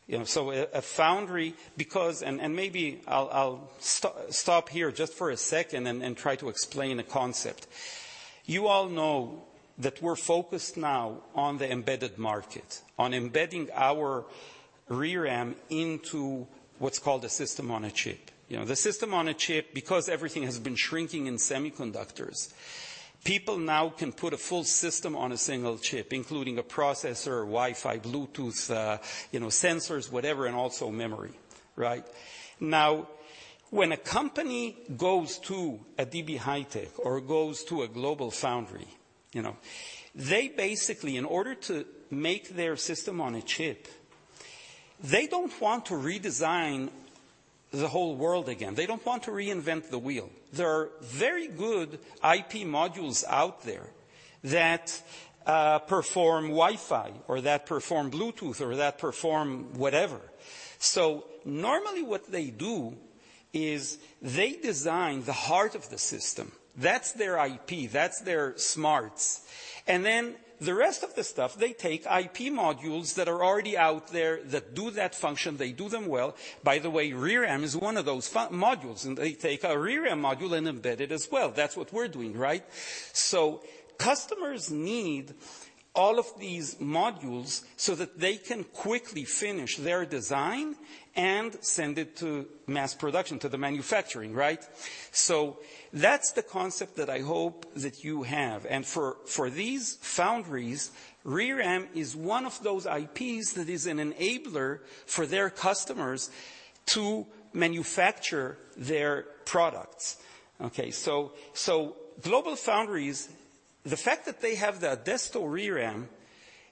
You know, so a foundry. Because—and maybe I'll stop here just for a second and try to explain a concept. You all know that we're focused now on the embedded market, on embedding our ReRAM into what's called a system on a chip. You know, the system on a chip, because everything has been shrinking in semiconductors, people now can put a full system on a single chip, including a processor, Wi-Fi, Bluetooth, you know, sensors, whatever, and also memory, right? Now, when a company goes to a DB HiTek or goes to a GlobalFoundries, you know, they basically, in order to make their system on a chip, they don't want to redesign the whole world again. They don't want to reinvent the wheel. There are very good IP modules out there that perform Wi-Fi or that perform Bluetooth or that perform whatever. So normally, what they do is they design the heart of the system. That's their IP, that's their smarts. And then the rest of the stuff, they take IP modules that are already out there that do that function. They do them well. By the way, ReRAM is one of those modules, and they take a ReRAM module and embed it as well. That's what we're doing, right? So customers need all of these modules so that they can quickly finish their design and send it to mass production, to the manufacturing, right? So that's the concept that I hope that you have. And for these foundries, ReRAM is one of those IPs that is an enabler for their customers to manufacture their products, okay? So, GlobalFoundries, the fact that they have the Adesto ReRAM,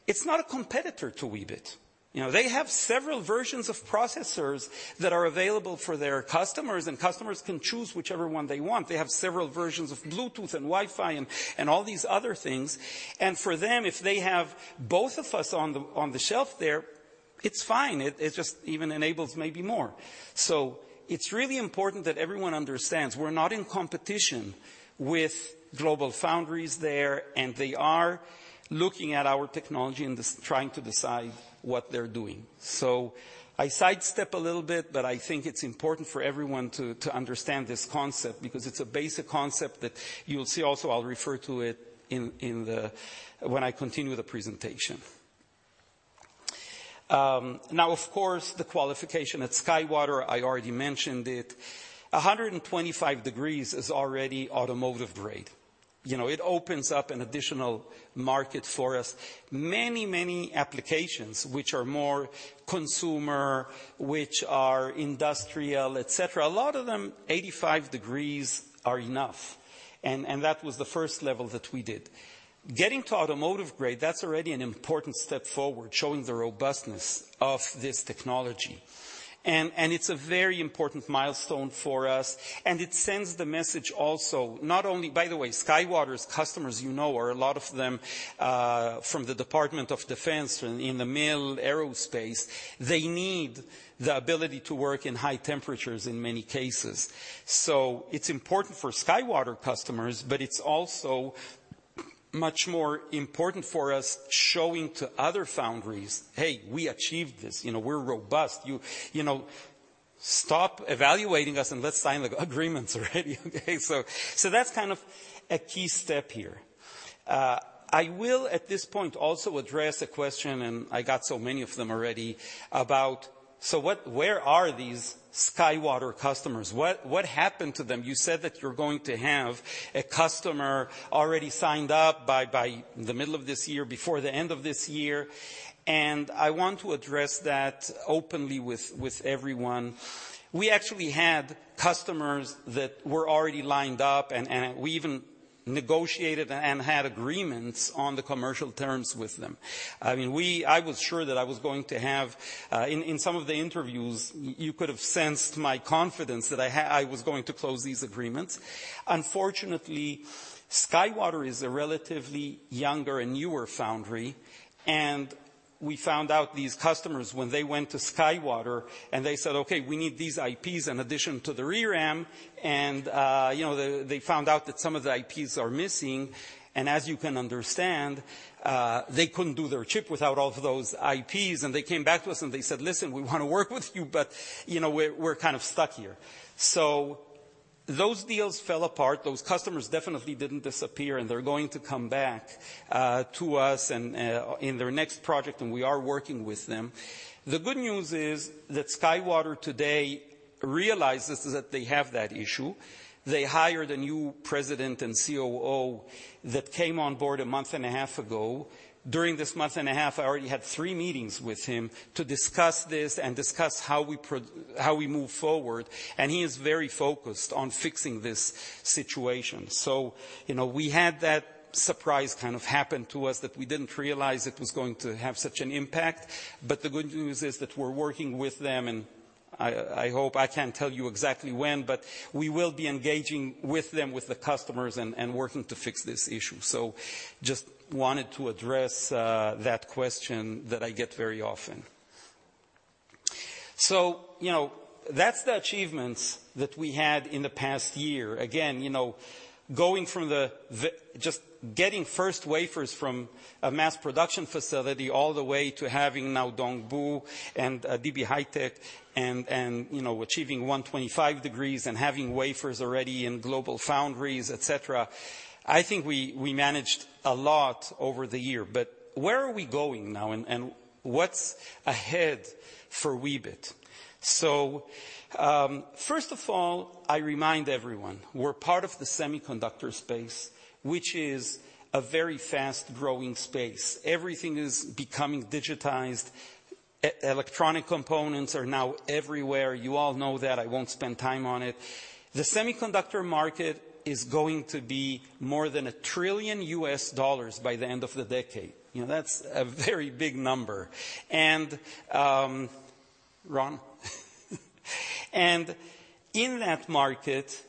it's not a competitor to Weebit. You know, they have several versions of processors that are available for their customers, and customers can choose whichever one they want. They have several versions of Bluetooth and Wi-Fi and all these other things. For them, if they have both of us on the shelf there, it's fine. It just even enables maybe more. So it's really important that everyone understands we're not in competition with GlobalFoundries there, and they are looking at our technology and just trying to decide what they're doing. So I sidestep a little bit, but I think it's important for everyone to understand this concept because it's a basic concept that you'll see also. I'll refer to it in the—when I continue the presentation. Now, of course, the qualification at SkyWater, I already mentioned it. 125 degrees is already automotive grade. You know, it opens up an additional market for us. Many, many applications which are more consumer, which are industrial, etc., a lot of them, 85 degrees are enough, and that was the first level that we did. Getting to automotive grade, that's already an important step forward, showing the robustness of this technology. And it's a very important milestone for us, and it sends the message also, not only... By the way, SkyWater's customers, you know, are a lot of them from the Department of Defense and in the mil/aerospace. They need the ability to work in high temperatures in many cases. So it's important for SkyWater customers, but it's also much more important for us showing to other foundries, "Hey, we achieved this, you know, we're robust. You know, stop evaluating us and let's sign the agreements already," okay? So, that's kind of a key step here. I will, at this point, also address a question, and I got so many of them already, about: "So what-- where are these SkyWater customers? What, what happened to them? You said that you're going to have a customer already signed up by the middle of this year, before the end of this year." And I want to address that openly with everyone. We actually had customers that were already lined up, and we even negotiated and had agreements on the commercial terms with them. I mean, we-- I was sure that I was going to have... In some of the interviews, you could have sensed my confidence that I was going to close these agreements. Unfortunately, SkyWater is a relatively younger and newer foundry, and we found out these customers, when they went to SkyWater and they said, "Okay, we need these IPs in addition to the ReRAM," and, you know, they found out that some of the IPs are missing, and as you can understand, they couldn't do their chip without all of those IPs. They came back to us, and they said, "Listen, we want to work with you, but, you know, we're kind of stuck here." Those deals fell apart. Those customers definitely didn't disappear, and they're going to come back to us and in their next project, and we are working with them. The good news is that SkyWater today realizes that they have that issue. They hired a new President and COO that came on board a month and a half ago. During this month and a half, I already had three meetings with him to discuss this and discuss how we move forward, and he is very focused on fixing this situation. So, you know, we had that surprise kind of happen to us that we didn't realize it was going to have such an impact. But the good news is that we're working with them, and I hope, I can't tell you exactly when, but we will be engaging with them, with the customers, and working to fix this issue. So just wanted to address that question that I get very often. So, you know... That's the achievements that we had in the past year. Again, you know, going from just getting first wafers from a mass production facility, all the way to having now DB HiTek and DB HiTek and, and, you know, achieving 125 degrees, and having wafers already in GlobalFoundries, et cetera. I think we managed a lot over the year. But where are we going now, and what's ahead for Weebit? So, first of all, I remind everyone, we're part of the semiconductor space, which is a very fast-growing space. Everything is becoming digitized. Electronic components are now everywhere. You all know that, I won't spend time on it. The semiconductor market is going to be more than $1 trillion by the end of the decade. You know, that's a very big number. And Ron? In that market,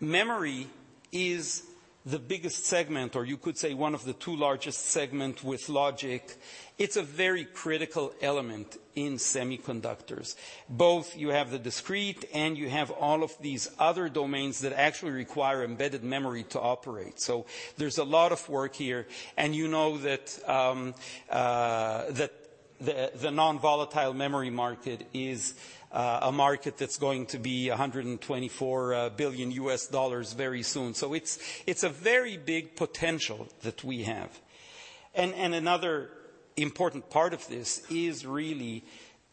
memory is the biggest segment, or you could say one of the two largest segment with logic. It's a very critical element in semiconductors. Both you have the discrete, and you have all of these other domains that actually require embedded memory to operate, so there's a lot of work here. And you know that that the non-volatile memory market is a market that's going to be $124 billion very soon. So it's a very big potential that we have. And another important part of this is really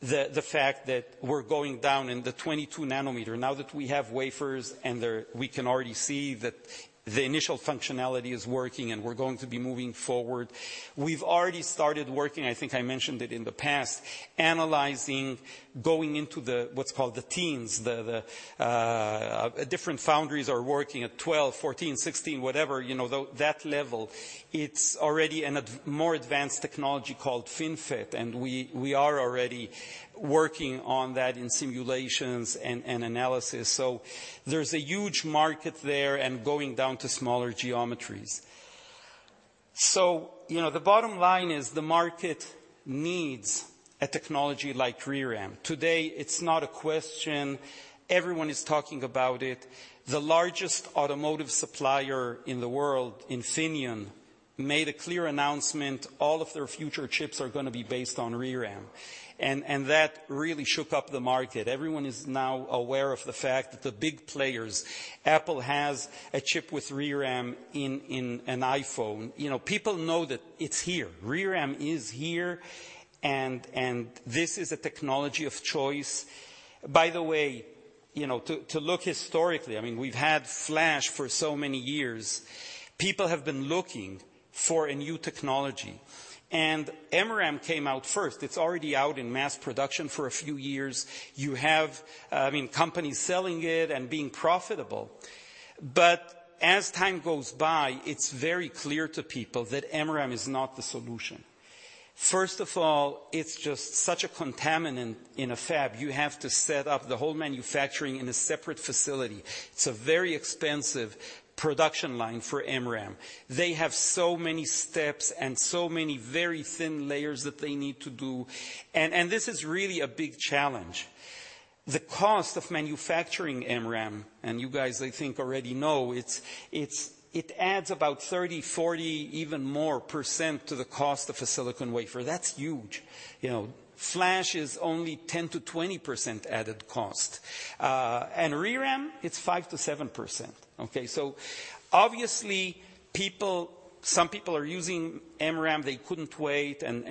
the fact that we're going down in the 22 nm. Now that we have wafers, and they're we can already see that the initial functionality is working, and we're going to be moving forward. We've already started working, I think I mentioned it in the past, analyzing, going into the, what's called the teens. Different foundries are working at 12, 14, 16, whatever, you know, that level. It's already in a more advanced technology called FinFET, and we are already working on that in simulations and analysis. So there's a huge market there and going down to smaller geometries. So, you know, the bottom line is the market needs a technology like ReRAM. Today, it's not a question, everyone is talking about it. The largest automotive supplier in the world, Infineon, made a clear announcement, all of their future chips are gonna be based on ReRAM, and that really shook up the market. Everyone is now aware of the fact that the big players, Apple, has a chip with ReRAM in an iPhone. You know, people know that it's here. ReRAM is here, and this is a technology of choice. By the way, you know, to look historically, I mean, we've had Flash for so many years. People have been looking for a new technology, and MRAM came out first. It's already out in mass production for a few years. You have, I mean, companies selling it and being profitable. But as time goes by, it's very clear to people that MRAM is not the solution. First of all, it's just such a contaminant in a fab. You have to set up the whole manufacturing in a separate facility. It's a very expensive production line for MRAM. They have so many steps and so many very thin layers that they need to do, and this is really a big challenge. The cost of manufacturing MRAM, and you guys, I think, already know, it adds about 30, 40, even more % to the cost of a silicon wafer. That's huge. You know, flash is only 10%-20% added cost, and ReRAM, it's 5%-7%, okay? So obviously, people, some people are using MRAM. They couldn't wait, and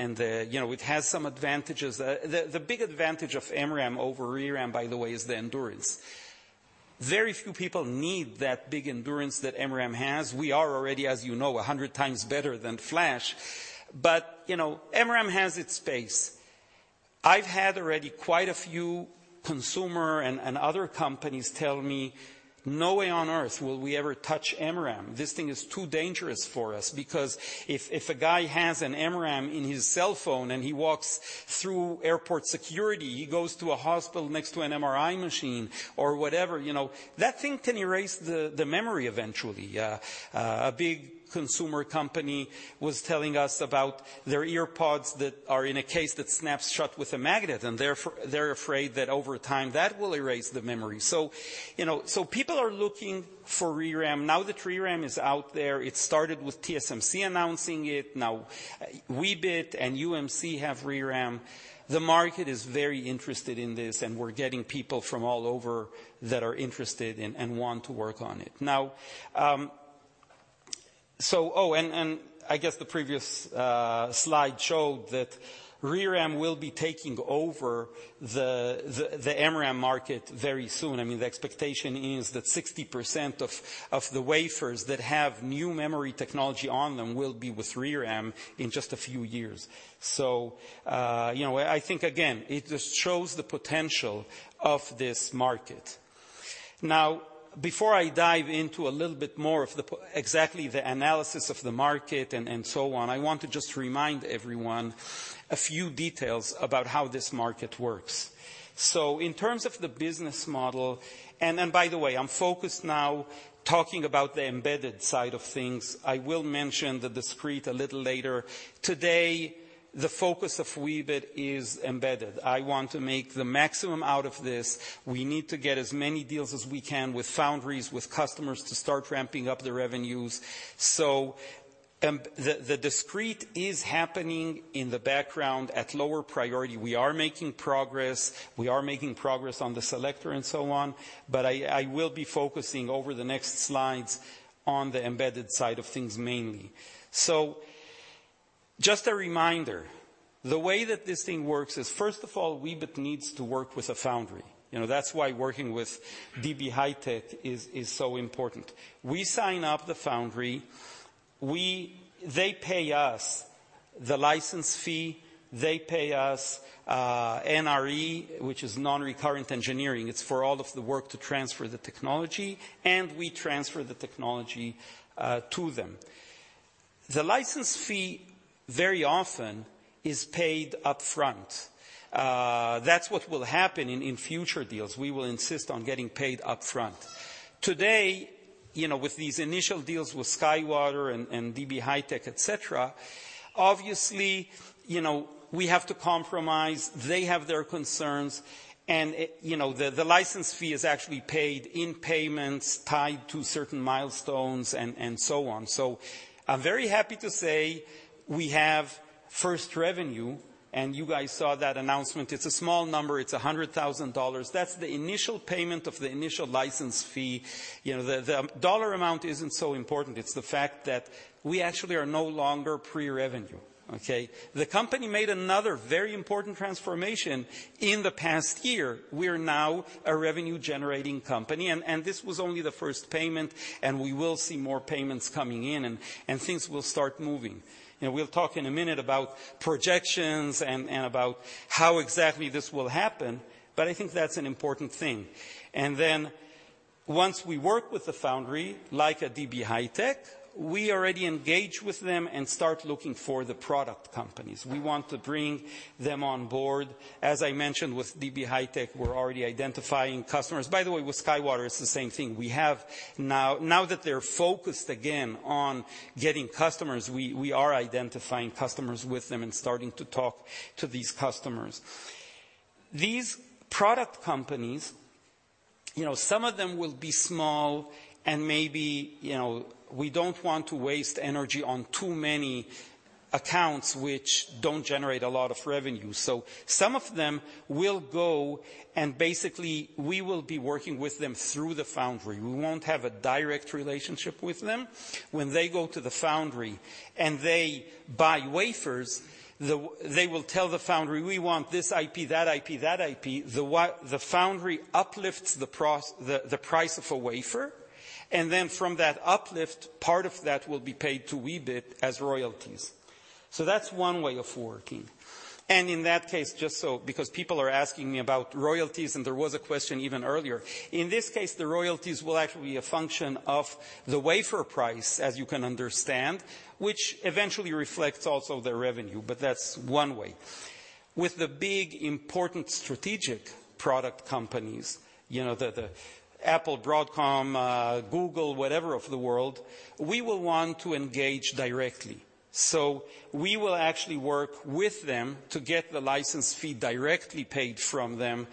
you know, it has some advantages. The big advantage of MRAM over ReRAM, by the way, is the endurance. Very few people need that big endurance that MRAM has. We are already, as you know, 100 times better than flash, but you know, MRAM has its space. I've had already quite a few consumer and other companies tell me, "No way on Earth will we ever touch MRAM. This thing is too dangerous for us," because if a guy has an MRAM in his cell phone and he walks through airport security, he goes to a hospital next to an MRI machine or whatever, you know, that thing can erase the memory eventually. A big consumer company was telling us about their ear pods that are in a case that snaps shut with a magnet, and they're afraid that over time, that will erase the memory. So, you know, people are looking for ReRAM now that ReRAM is out there. It started with TSMC announcing it. Now, Weebit and UMC have ReRAM. The market is very interested in this, and we're getting people from all over that are interested and want to work on it. Now, so... Oh, and I guess the previous slide showed that ReRAM will be taking over the MRAM market very soon. I mean, the expectation is that 60% of the wafers that have new memory technology on them will be with ReRAM in just a few years. So, you know, I think, again, it just shows the potential of this market. Now, before I dive into a little bit more of exactly the analysis of the market and so on, I want to just remind everyone a few details about how this market works. So in terms of the business model, and by the way, I'm focused now, talking about the embedded side of things. I will mention the discrete a little later. Today, the focus of Weebit is embedded. I want to make the maximum out of this. We need to get as many deals as we can with foundries, with customers, to start ramping up the revenues. The discrete is happening in the background at lower priority. We are making progress on the selector and so on, but I will be focusing over the next slides on the embedded side of things mainly. So just a reminder, the way that this thing works is, first of all, Weebit needs to work with a foundry. You know, that's why working with DB HiTek is so important. We sign up the foundry, they pay us the license fee, they pay us NRE, which is non-recurring engineering. It's for all of the work to transfer the technology, and we transfer the technology to them. The license fee, very often, is paid upfront. That's what will happen in future deals, we will insist on getting paid upfront. Today, you know, with these initial deals with SkyWater and DB HiTek, et cetera, obviously, you know, we have to compromise. They have their concerns, and you know, the license fee is actually paid in payments tied to certain milestones and so on. So I'm very happy to say we have first revenue, and you guys saw that announcement. It's a small number, it's $100,000. That's the initial payment of the initial license fee. You know, the dollar amount isn't so important, it's the fact that we actually are no longer pre-revenue, okay? The company made another very important transformation in the past year. We are now a revenue-generating company, and, and this was only the first payment, and we will see more payments coming in, and, and things will start moving. You know, we'll talk in a minute about projections and, and about how exactly this will happen, but I think that's an important thing. And then, once we work with the foundry, like a DB HiTek, we already engage with them and start looking for the product companies. We want to bring them on board. As I mentioned with DB HiTek, we're already identifying customers. By the way, with SkyWater, it's the same thing. We have now, now that they're focused again on getting customers, we, we are identifying customers with them and starting to talk to these customers. These product companies, you know, some of them will be small, and maybe, you know, we don't want to waste energy on too many accounts which don't generate a lot of revenue. So some of them will go, and basically, we will be working with them through the foundry. We won't have a direct relationship with them. When they go to the foundry, and they buy wafers, they will tell the foundry, "We want this IP, that IP, that IP." The foundry uplifts the price of a wafer, and then from that uplift, part of that will be paid to Weebit as royalties. So that's one way of working. And in that case, just so, because people are asking me about royalties, and there was a question even earlier, in this case, the royalties will actually be a function of the wafer price, as you can understand, which eventually reflects also the revenue, but that's one way. With the big, important, strategic product companies, you know, the Apple, Broadcom, Google, whatever of the world, we will want to engage directly. So we will actually work with them to get the license fee directly paid from them,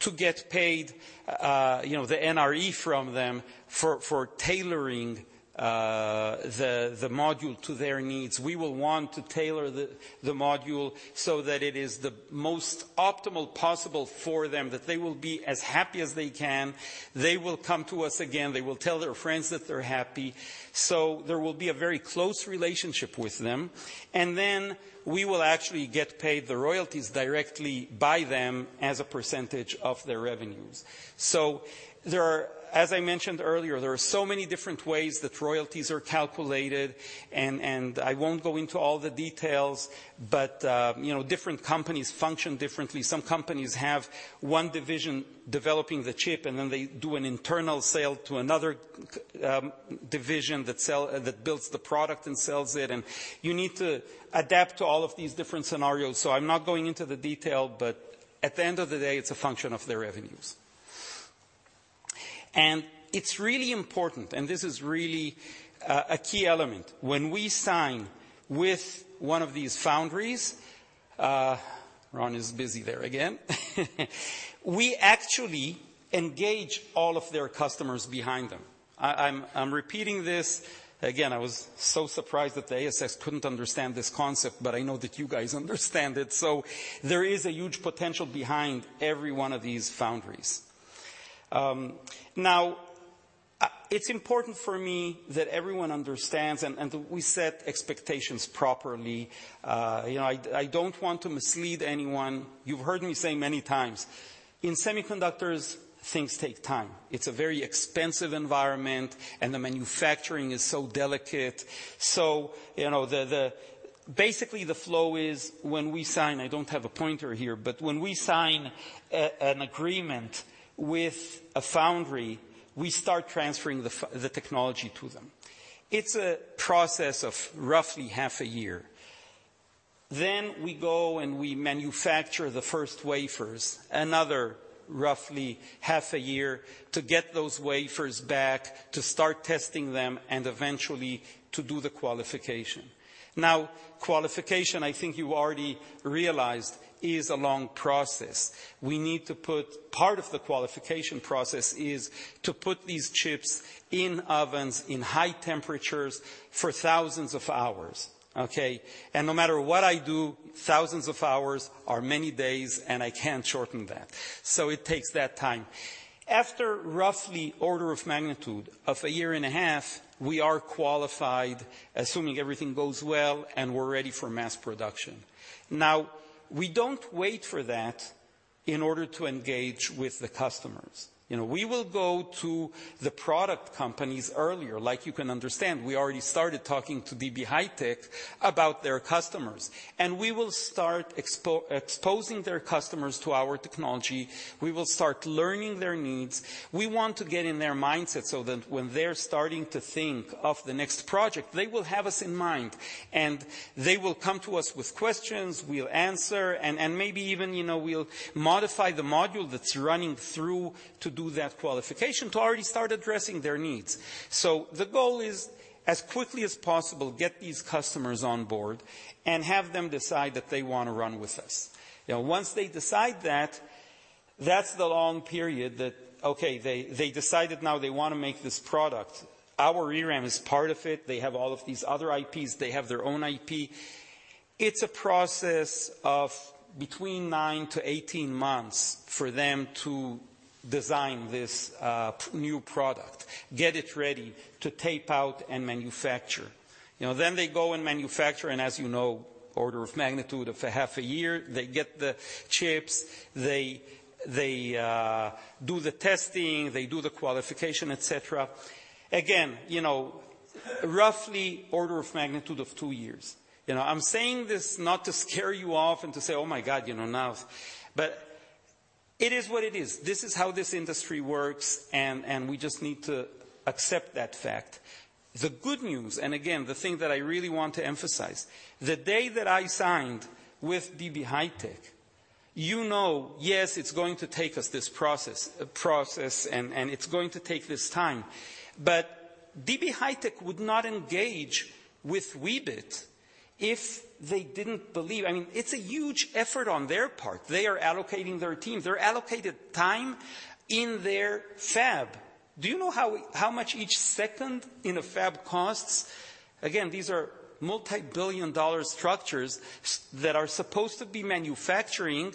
to get paid, you know, the NRE from them, for tailoring the module to their needs. We will want to tailor the module so that it is the most optimal possible for them, that they will be as happy as they can. They will come to us again, they will tell their friends that they're happy, so there will be a very close relationship with them. And then, we will actually get paid the royalties directly by them as a percentage of their revenues. So there are... As I mentioned earlier, there are so many different ways that royalties are calculated, and I won't go into all the details, but, you know, different companies function differently. Some companies have one division developing the chip, and then they do an internal sale to another division that builds the product and sells it, and you need to adapt to all of these different scenarios. So I'm not going into the detail, but at the end of the day, it's a function of their revenues. And it's really important, and this is really a key element. When we sign with one of these foundries, Ron is busy there again. We actually engage all of their customers behind them. I'm repeating this again, I was so surprised that the ASX couldn't understand this concept, but I know that you guys understand it. So there is a huge potential behind every one of these foundries. Now, it's important for me that everyone understands, and that we set expectations properly. You know, I don't want to mislead anyone. You've heard me say many times, in semiconductors, things take time. It's a very expensive environment, and the manufacturing is so delicate. So, you know, basically, the flow is when we sign, I don't have a pointer here, but when we sign an agreement with a foundry, we start transferring the technology to them. It's a process of roughly half a year. Then, we go, and we manufacture the first wafers, another roughly half a year to get those wafers back, to start testing them, and eventually, to do the qualification. Now, qualification, I think you already realized, is a long process. We need to put. Part of the qualification process is to put these chips in ovens in high temperatures for thousands of hours, okay? No matter what I do, thousands of hours are many days, and I can't shorten that. So it takes that time. After roughly order of magnitude of a year and a half, we are qualified, assuming everything goes well, and we're ready for mass production. Now, we don't wait for that in order to engage with the customers. You know, we will go to the product companies earlier. Like you can understand, we already started talking to DB HiTek about their customers, and we will start exposing their customers to our technology. We will start learning their needs. We want to get in their mindset so that when they're starting to think of the next project, they will have us in mind, and they will come to us with questions. We'll answer, and maybe even, you know, we'll modify the module that's running through to do that qualification to already start addressing their needs. So the goal is, as quickly as possible, get these customers on board and have them decide that they want to run with us. Now, once they decide that, that's the long period that, okay, they decided now they want to make this product. Our ReRAM is part of it. They have all of these other IPs. They have their own IP. It's a process of between 9-18 months for them to design this new product, get it ready to tape-out and manufacture. You know, then they go and manufacture, and as you know, order of magnitude of half a year, they get the chips, they do the testing, they do the qualification, et cetera. Again, you know, roughly order of magnitude of 2 years. You know, I'm saying this not to scare you off and to say, "Oh, my god, you know, now..." But it is what it is. This is how this industry works, and we just need to accept that fact. The good news, and again, the thing that I really want to emphasize, the day that I signed with DB HiTek, you know, yes, it's going to take us this process, process, and it's going to take this time. But DB HiTek would not engage with Weebit if they didn't believe. I mean, it's a huge effort on their part. They are allocating their teams. They're allocated time in their fab. Do you know how much each second in a fab costs? Again, these are multibillion-dollar structures that are supposed to be manufacturing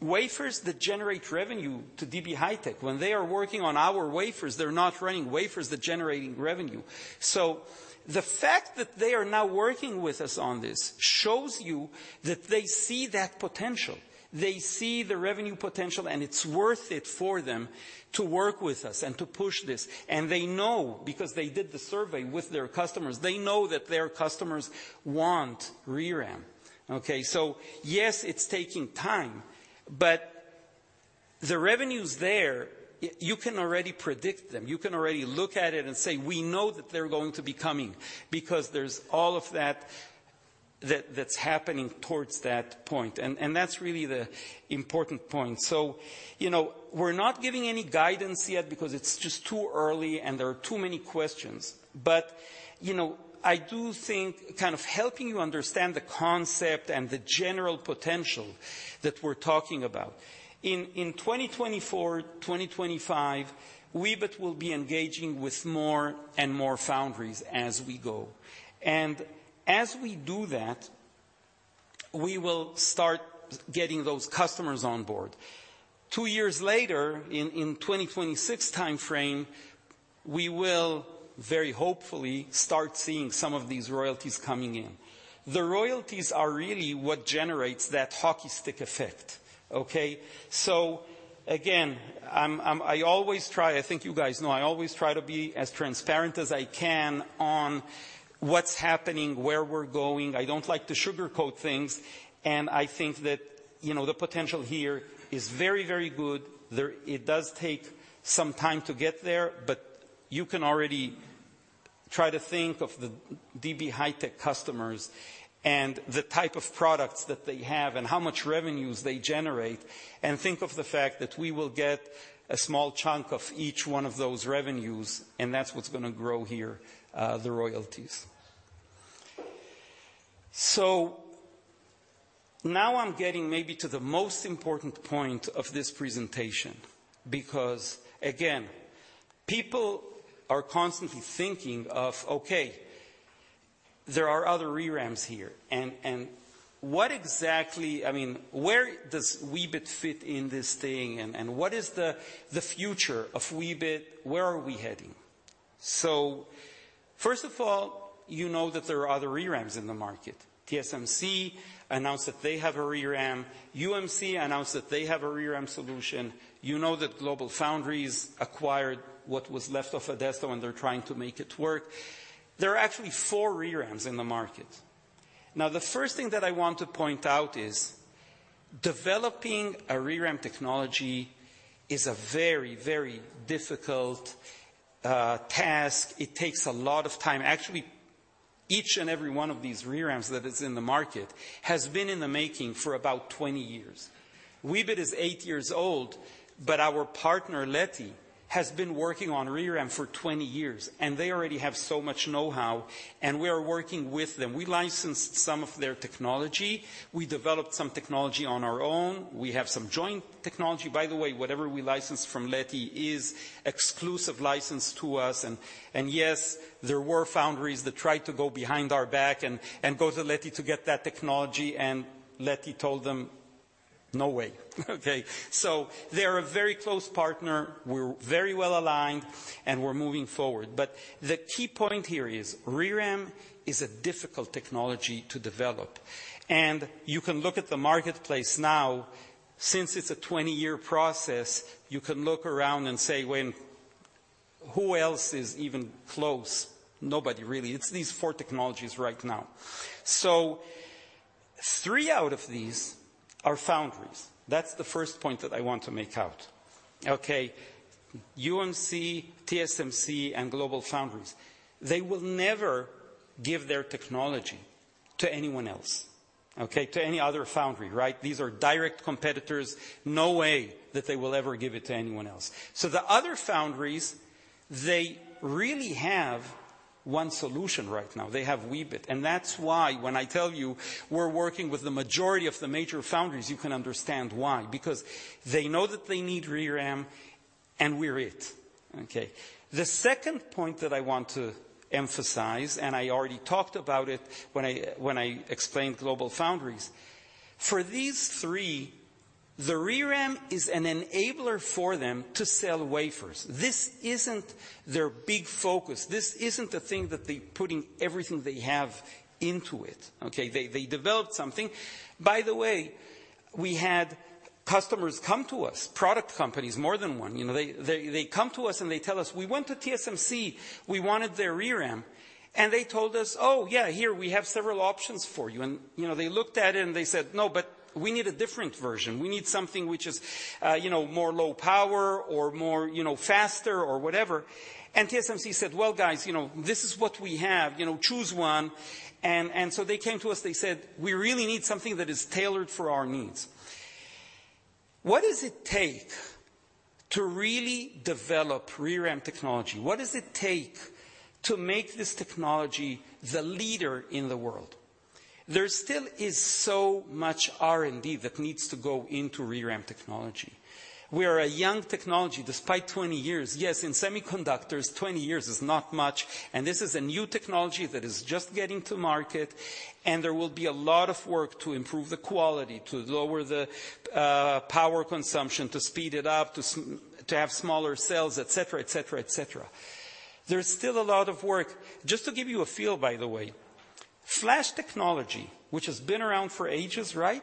wafers that generate revenue to DB HiTek. When they are working on our wafers, they're not running wafers that are generating revenue. So the fact that they are now working with us on this shows you that they see that potential. They see the revenue potential, and it's worth it for them to work with us and to push this. And they know because they did the survey with their customers. They know that their customers want ReRAM, okay? So, yes, it's taking time, but the revenue's there. You can already predict them. You can already look at it and say, "We know that they're going to be coming," because there's all of that that's happening towards that point, and that's really the important point. So, you know, we're not giving any guidance yet because it's just too early, and there are too many questions. But, you know, I do think kind of helping you understand the concept and the general potential that we're talking about. In 2024, 2025, Weebit will be engaging with more and more foundries as we go. As we do that, we will start getting those customers on board. Two years later, in 2026 timeframe, we will, very hopefully, start seeing some of these royalties coming in. The royalties are really what generates that hockey stick effect, okay? So again, I always try, I think you guys know, I always try to be as transparent as I can on what's happening, where we're going. I don't like to sugarcoat things, and I think that, you know, the potential here is very, very good. It does take some time to get there, but you can already try to think of the DB HiTek customers and the type of products that they have and how much revenues they generate, and think of the fact that we will get a small chunk of each one of those revenues, and that's what's going to grow here, the royalties. So now I'm getting maybe to the most important point of this presentation, because, again, people are constantly thinking of, okay, there are other ReRAMs here and, and what exactly... I mean, where does Weebit fit in this thing, and, and what is the, the future of Weebit? Where are we heading? So, first of all, you know that there are other ReRAMs in the market. TSMC announced that they have a ReRAM. UMC announced that they have a ReRAM solution. You know that GlobalFoundries acquired what was left of Adesto, and they're trying to make it work. There are actually 4 ReRAMs in the market. Now, the first thing that I want to point out is, developing a ReRAM technology is a very, very difficult task. It takes a lot of time. Actually, each and every one of these ReRAMs that is in the market has been in the making for about 20 years. Weebit is 8 years old, but our partner, Leti, has been working on ReRAM for 20 years, and they already have so much know-how, and we are working with them. We licensed some of their technology. We developed some technology on our own. We have some joint technology. By the way, whatever we licensed from Leti is exclusive license to us. Yes, there were foundries that tried to go behind our back and go to Leti to get that technology, and Leti told them, "No way," okay? So they're a very close partner. We're very well-aligned, and we're moving forward. But the key point here is ReRAM is a difficult technology to develop, and you can look at the marketplace now. Since it's a 20-year process, you can look around and say, "Well, who else is even close?" Nobody, really. It's these four technologies right now. So three out of these are foundries. That's the first point that I want to make out, okay? UMC, TSMC, and GlobalFoundries, they will never give their technology to anyone else, okay? To any other foundry, right? These are direct competitors. No way that they will ever give it to anyone else. So the other foundries, they really have one solution right now. They have Weebit. And that's why when I tell you we're working with the majority of the major foundries, you can understand why. Because they know that they need ReRAM, and we're it, okay? The second point that I want to emphasize, and I already talked about it when I, when I explained GlobalFoundries, for these three, the ReRAM is an enabler for them to sell wafers. This isn't their big focus. This isn't the thing that they're putting everything they have into it, okay? They, they developed something... By the way, we had customers come to us, product companies, more than one, you know. They, they, they come to us and they tell us, "We went to TSMC. We wanted their ReRAM," and they told us, "Oh, yeah, here, we have several options for you." And, you know, they looked at it and they said, "No, but we need a different version. We need something which is, you know, more low power or more, you know, faster or whatever." And TSMC said, "Well, guys, you know, this is what we have. You know, choose one." And so they came to us, they said, "We really need something that is tailored for our needs." What does it take to really develop ReRAM technology? What does it take to make this technology the leader in the world? There still is so much R&D that needs to go into ReRAM technology. We are a young technology, despite 20 years. Yes, in semiconductors, 20 years is not much, and this is a new technology that is just getting to market, and there will be a lot of work to improve the quality, to lower the power consumption, to speed it up, to have smaller cells, et cetera, et cetera, et cetera. There's still a lot of work. Just to give you a feel, by the way, flash technology, which has been around for ages, right?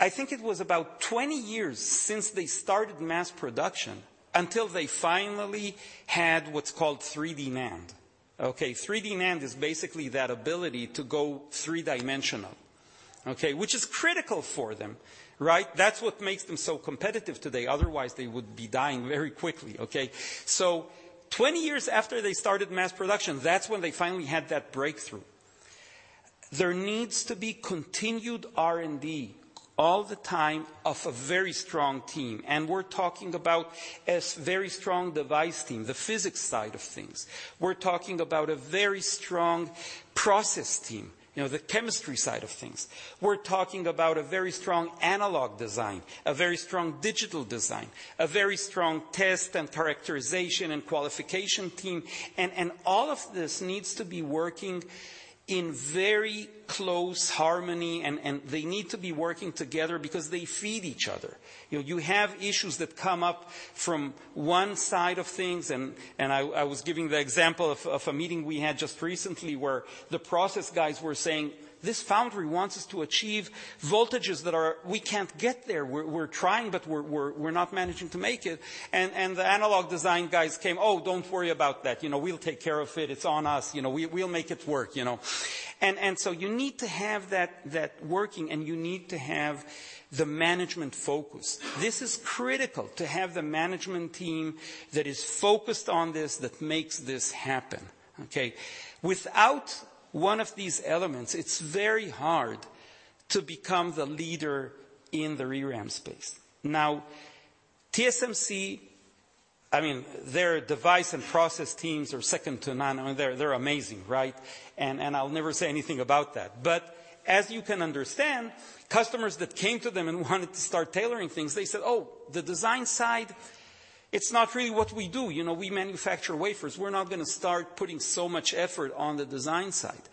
I think it was about 20 years since they started mass production until they finally had what's called 3D NAND, okay? 3D NAND is basically that ability to go three-dimensional, okay, which is critical for them, right? That's what makes them so competitive today. Otherwise, they would be dying very quickly, okay? So 20 years after they started mass production, that's when they finally had that breakthrough. There needs to be continued R&D all the time of a very strong team, and we're talking about a very strong device team, the physics side of things. We're talking about a very strong process team, you know, the chemistry side of things. We're talking about a very strong analog design, a very strong digital design, a very strong test, and characterization, and qualification team, and all of this needs to be working in very close harmony, and they need to be working together because they feed each other. You know, you have issues that come up from one side of things, and I was giving the example of a meeting we had just recently, where the process guys were saying, "This foundry wants us to achieve voltages that are, we can't get there. We're trying, but we're not managing to make it." And the analog design guys came, "Oh, don't worry about that. You know, we'll take care of it. It's on us. You know, we'll make it work," you know? And so you need to have that working, and you need to have the management focus. This is critical, to have the management team that is focused on this, that makes this happen, okay? Without one of these elements, it's very hard to become the leader in the ReRAM space. Now, TSMC, I mean, their device and process teams are second to none. I mean, they're amazing, right? And I'll never say anything about that. But as you can understand, customers that came to them and wanted to start tailoring things, they said, "Oh, the design side, it's not really what we do. You know, we manufacture wafers. We're not gonna start putting so much effort on the design side."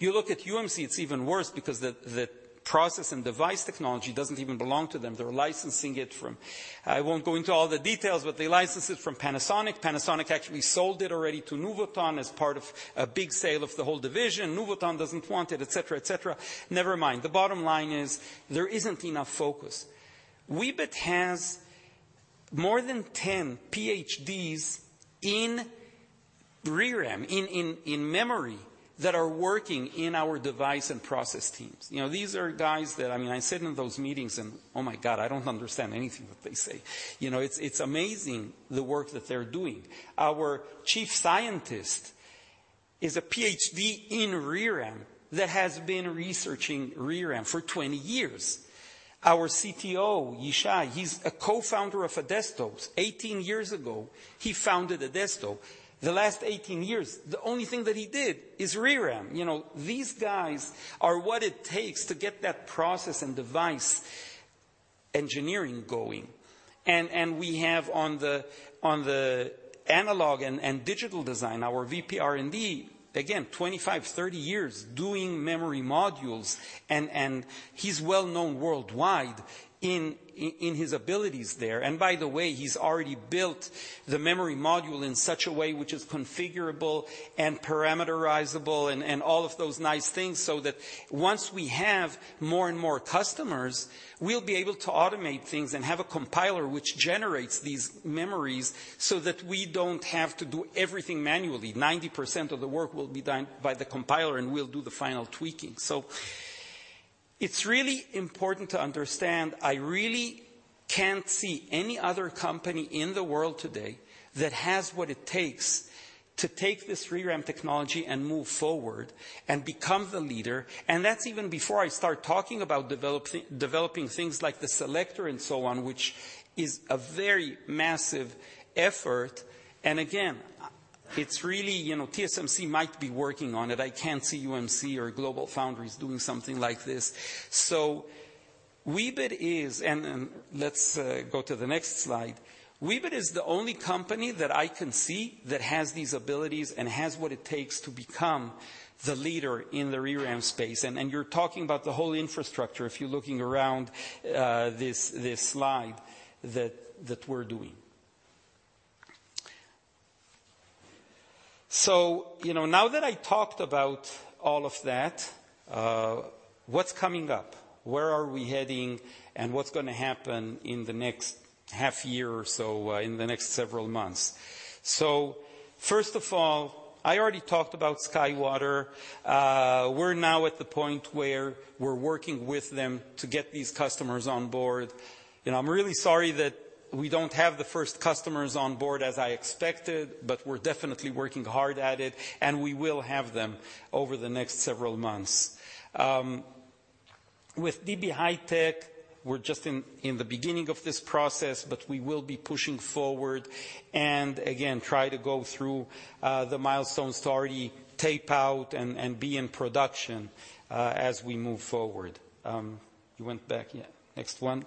You look at UMC, it's even worse because the, the process and device technology doesn't even belong to them. They're licensing it from, I won't go into all the details, but they license it from Panasonic. Panasonic actually sold it already to Nuvoton as part of a big sale of the whole division. Nuvoton doesn't want it, et cetera, et cetera. Never mind. The bottom line is, there isn't enough focus. Weebit has more than 10 PhDs in ReRAM, in, in, in memory, that are working in our device and process teams. You know, these are guys that... I mean, I sit in those meetings and, oh, my God, I don't understand anything that they say. You know, it's, it's amazing the work that they're doing. Our chief scientist-... is a PhD in ReRAM that has been researching ReRAM for 20 years. Our CTO, Ishai, he's a co-founder of Adesto. 18 years ago, he founded Adesto. The last 18 years, the only thing that he did is ReRAM. You know, these guys are what it takes to get that process and device engineering going. And we have on the analog and digital design, our VP R&D, again, 25-30 years doing memory modules, and he's well-known worldwide in his abilities there. And by the way, he's already built the memory module in such a way which is configurable and parameterizable and all of those nice things, so that once we have more and more customers, we'll be able to automate things and have a compiler which generates these memories so that we don't have to do everything manually. 90% of the work will be done by the compiler, and we'll do the final tweaking. So it's really important to understand, I really can't see any other company in the world today that has what it takes to take this ReRAM technology and move forward and become the leader. And that's even before I start talking about developing things like the selector and so on, which is a very massive effort. And again, it's really, you know, TSMC might be working on it. I can't see UMC or GlobalFoundries doing something like this. So Weebit is... And let's go to the next slide. Weebit is the only company that I can see that has these abilities and has what it takes to become the leader in the ReRAM space. And you're talking about the whole infrastructure, if you're looking around, this slide that we're doing. So, you know, now that I talked about all of that, what's coming up? Where are we heading, and what's going to happen in the next half year or so, in the next several months? So first of all, I already talked about SkyWater. We're now at the point where we're working with them to get these customers on board. You know, I'm really sorry that we don't have the first customers on board as I expected, but we're definitely working hard at it, and we will have them over the next several months. With DB HiTek, we're just in the beginning of this process, but we will be pushing forward and, again, try to go through the milestones to already tape out and be in production as we move forward. You went back? Yeah, next one.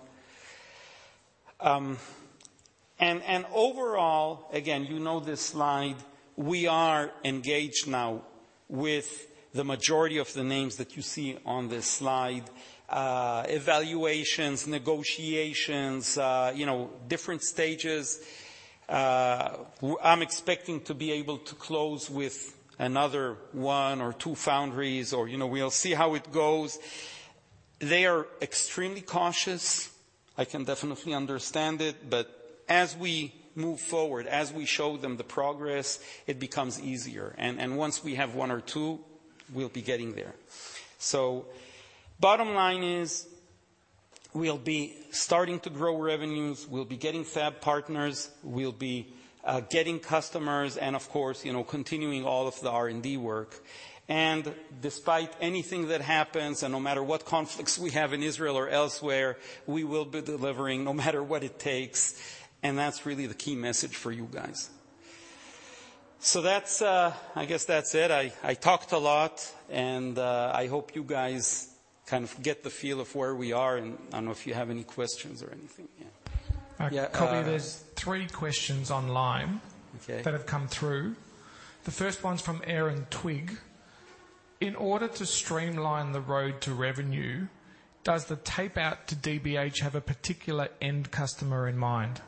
Overall, again, you know this slide, we are engaged now with the majority of the names that you see on this slide. Evaluations, negotiations, you know, different stages. I'm expecting to be able to close with another one or two foundries or, you know, we'll see how it goes. They are extremely cautious. I can definitely understand it, but as we move forward, as we show them the progress, it becomes easier, and once we have one or two, we'll be getting there. So bottom line is, we'll be starting to grow revenues, we'll be getting fab partners, we'll be getting customers and, of course, you know, continuing all of the R&D work. And despite anything that happens, and no matter what conflicts we have in Israel or elsewhere, we will be delivering, no matter what it takes, and that's really the key message for you guys. So that's, I guess that's it. I talked a lot, and I hope you guys kind of get the feel of where we are, and I don't know if you have any questions or anything. Yeah. Coby, there's 3 questions online- Okay. that have come through. The first one's from Aaron Twigg: In order to streamline the road to revenue, does the tapeout to DBH have a particular end customer in mind?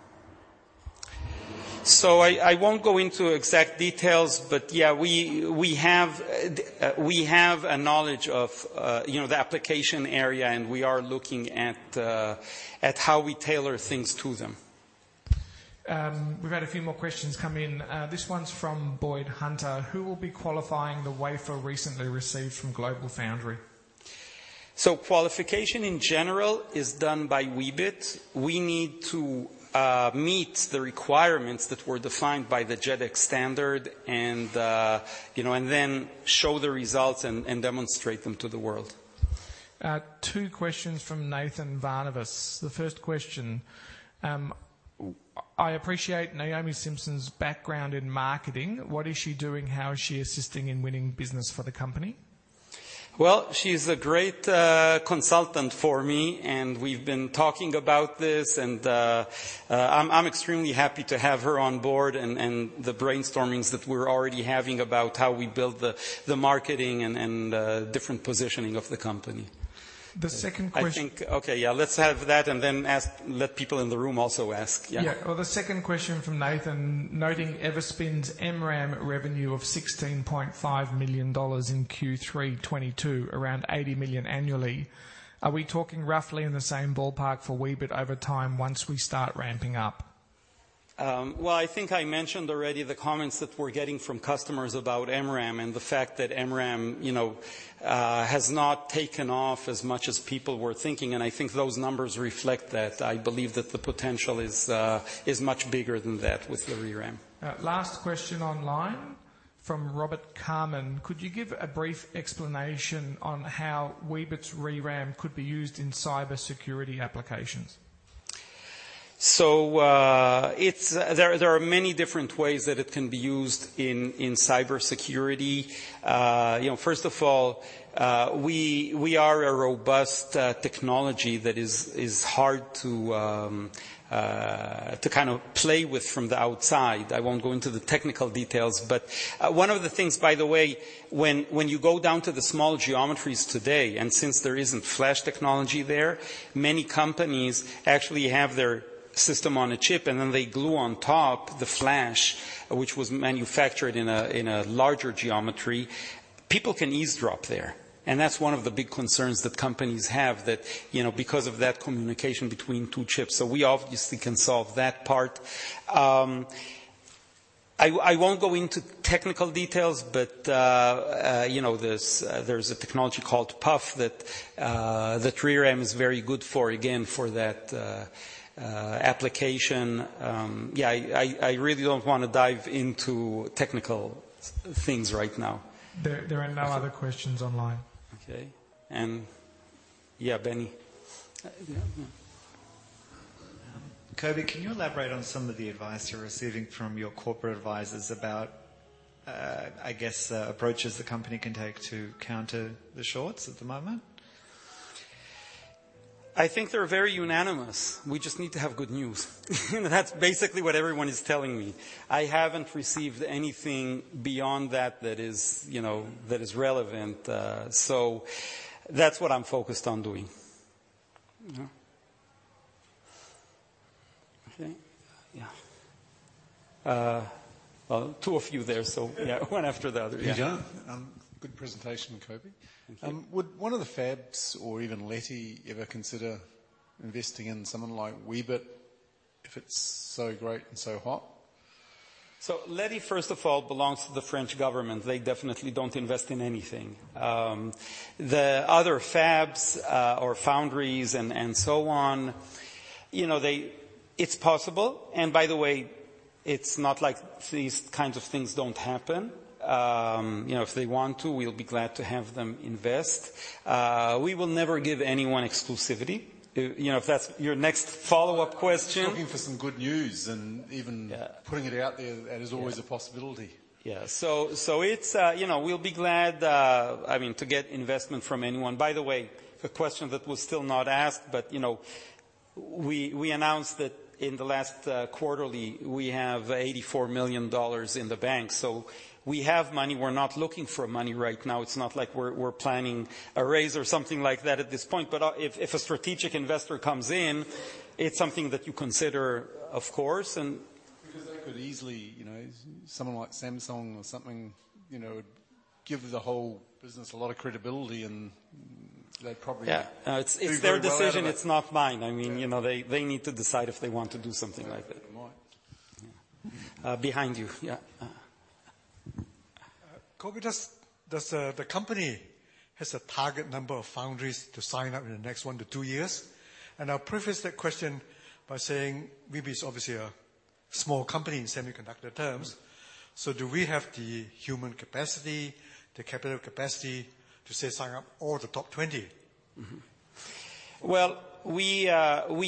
I won't go into exact details, but yeah, we have a knowledge of, you know, the application area, and we are looking at how we tailor things to them. We've had a few more questions come in. This one's from Boyd Hunter: Who will be qualifying the wafer recently received from GlobalFoundries? Qualification in general is done by Weebit. We need to meet the requirements that were defined by the JEDEC standard and, you know, and then show the results and demonstrate them to the world. Two questions from Nathan Varnavas. The first question: I appreciate Naomi Simson's background in marketing. What is she doing? How is she assisting in winning business for the company? Well, she's a great consultant for me, and we've been talking about this, and I'm extremely happy to have her on board and the brainstormings that we're already having about how we build the marketing and different positioning of the company. The second question- I think... Okay, yeah, let's have that and then ask - let people in the room also ask. Yeah. Yeah. Well, the second question from Nathan: Noting Everspin's MRAM revenue of $16.5 million in Q3 2022, around $80 million annually, are we talking roughly in the same ballpark for Weebit over time once we start ramping up? Well, I think I mentioned already the comments that we're getting from customers about MRAM and the fact that MRAM, you know, has not taken off as much as people were thinking, and I think those numbers reflect that. I believe that the potential is much bigger than that with the ReRAM. Last question online from Robert Carmen. Could you give a brief explanation on how Weebit's ReRAM could be used in cybersecurity applications? So, there are many different ways that it can be used in cybersecurity. You know, first of all, we are a robust technology that is hard to kind of play with from the outside. I won't go into the technical details. But one of the things, by the way, when you go down to the small geometries today, and since there isn't flash technology there, many companies actually have their system on a chip, and then they glue on top the flash, which was manufactured in a larger geometry. People can eavesdrop there, and that's one of the big concerns that companies have that, you know, because of that communication between two chips. So we obviously can solve that part. I won't go into technical details, but, you know, there's a technology called PUF that ReRAM is very good for, again, for that application. Yeah, I really don't wanna dive into technical things right now. There are no other questions online. Okay. And yeah, Benny? No, no. Coby, can you elaborate on some of the advice you're receiving from your corporate advisors about, I guess, approaches the company can take to counter the shorts at the moment? I think they're very unanimous. We just need to have good news. That's basically what everyone is telling me. I haven't received anything beyond that, that is, you know, that is relevant. So that's what I'm focused on doing. Yeah. Okay, yeah. Well, two or few there, so yeah, one after the other. Yeah. Good presentation, Coby. Thank you. Would one of the fabs or even Leti ever consider investing in someone like Weebit if it's so great and so hot? So Leti, first of all, belongs to the French government. They definitely don't invest in anything. The other fabs, or foundries and so on, you know, it's possible, and by the way, it's not like these kinds of things don't happen. You know, if they want to, we'll be glad to have them invest. We will never give anyone exclusivity. You know, if that's your next follow-up question- Looking for some good news, and even- Yeah... putting it out there, that is always a possibility. Yeah. So it's, you know, we'll be glad, I mean, to get investment from anyone. By the way, a question that was still not asked, but, you know, we announced that in the last quarterly, we have $84 million in the bank. So we have money. We're not looking for money right now. It's not like we're planning a raise or something like that at this point. But if a strategic investor comes in, it's something that you consider, of course, and- Because they could easily, you know, someone like Samsung or something, you know, give the whole business a lot of credibility, and they'd probably- Yeah. be very well It's their decision, it's not mine. Yeah. I mean, you know, they need to decide if they want to do something like that. Yeah, they might. Behind you. Yeah. Coby, does the company has a target number of foundries to sign up in the next 1-2 years? I'll preface that question by saying, Weebit is obviously a small company in semiconductor terms. Mm. Do we have the human capacity, the capital capacity to, say, sign up all the top 20? Mm-hmm. Well, we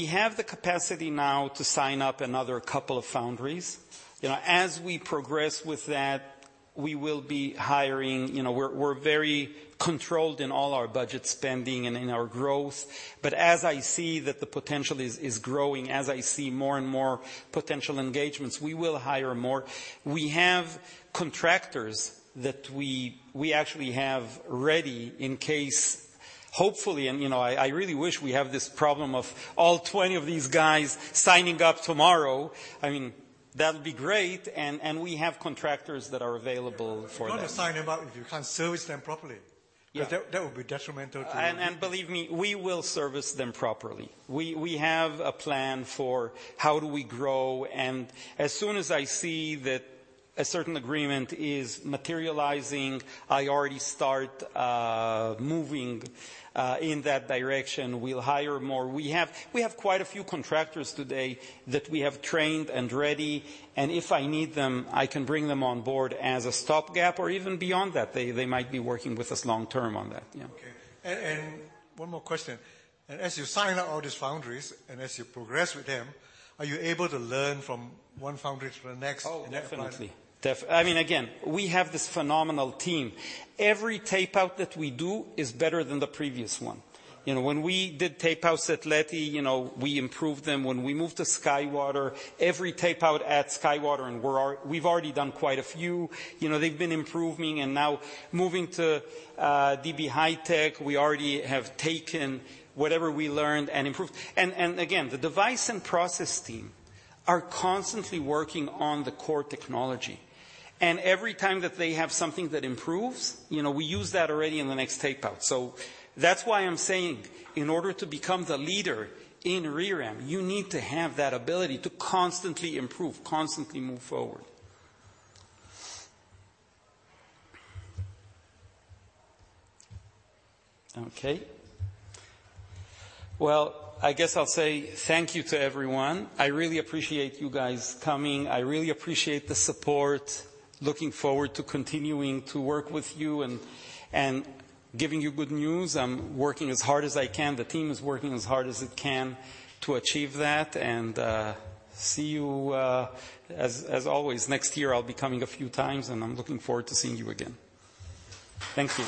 have the capacity now to sign up another couple of foundries. You know, as we progress with that, we will be hiring. You know, we're very controlled in all our budget spending and in our growth, but as I see that the potential is growing, as I see more and more potential engagements, we will hire more. We have contractors that we actually have ready in case, hopefully... And, you know, I really wish we have this problem of all 20 of these guys signing up tomorrow. I mean, that would be great, and we have contractors that are available for that. You're not signing them up if you can't service them properly. Yeah. That would be detrimental to you. And believe me, we will service them properly. We have a plan for how we grow, and as soon as I see that a certain agreement is materializing, I already start moving in that direction. We'll hire more. We have quite a few contractors today that we have trained and ready, and if I need them, I can bring them on board as a stopgap or even beyond that. They might be working with us long-term on that. Yeah. Okay. And one more question: As you're signing up all these foundries and as you progress with them, are you able to learn from one foundry to the next? Oh, definitely. I mean, again, we have this phenomenal team. Every tape-out that we do is better than the previous one. You know, when we did tape-outs at Leti, you know, we improved them. When we moved to SkyWater, every tape-out at SkyWater, and we've already done quite a few, you know, they've been improving. And now moving to DB HiTek, we already have taken whatever we learned and improved. And again, the device and process team are constantly working on the core technology, and every time that they have something that improves, you know, we use that already in the next tape-out. So that's why I'm saying in order to become the leader in ReRAM, you need to have that ability to constantly improve, constantly move forward. Okay. Well, I guess I'll say thank you to everyone. I really appreciate you guys coming. I really appreciate the support. Looking forward to continuing to work with you and giving you good news. I'm working as hard as I can. The team is working as hard as it can to achieve that. See you, as always, next year. I'll be coming a few times, and I'm looking forward to seeing you again. Thank you.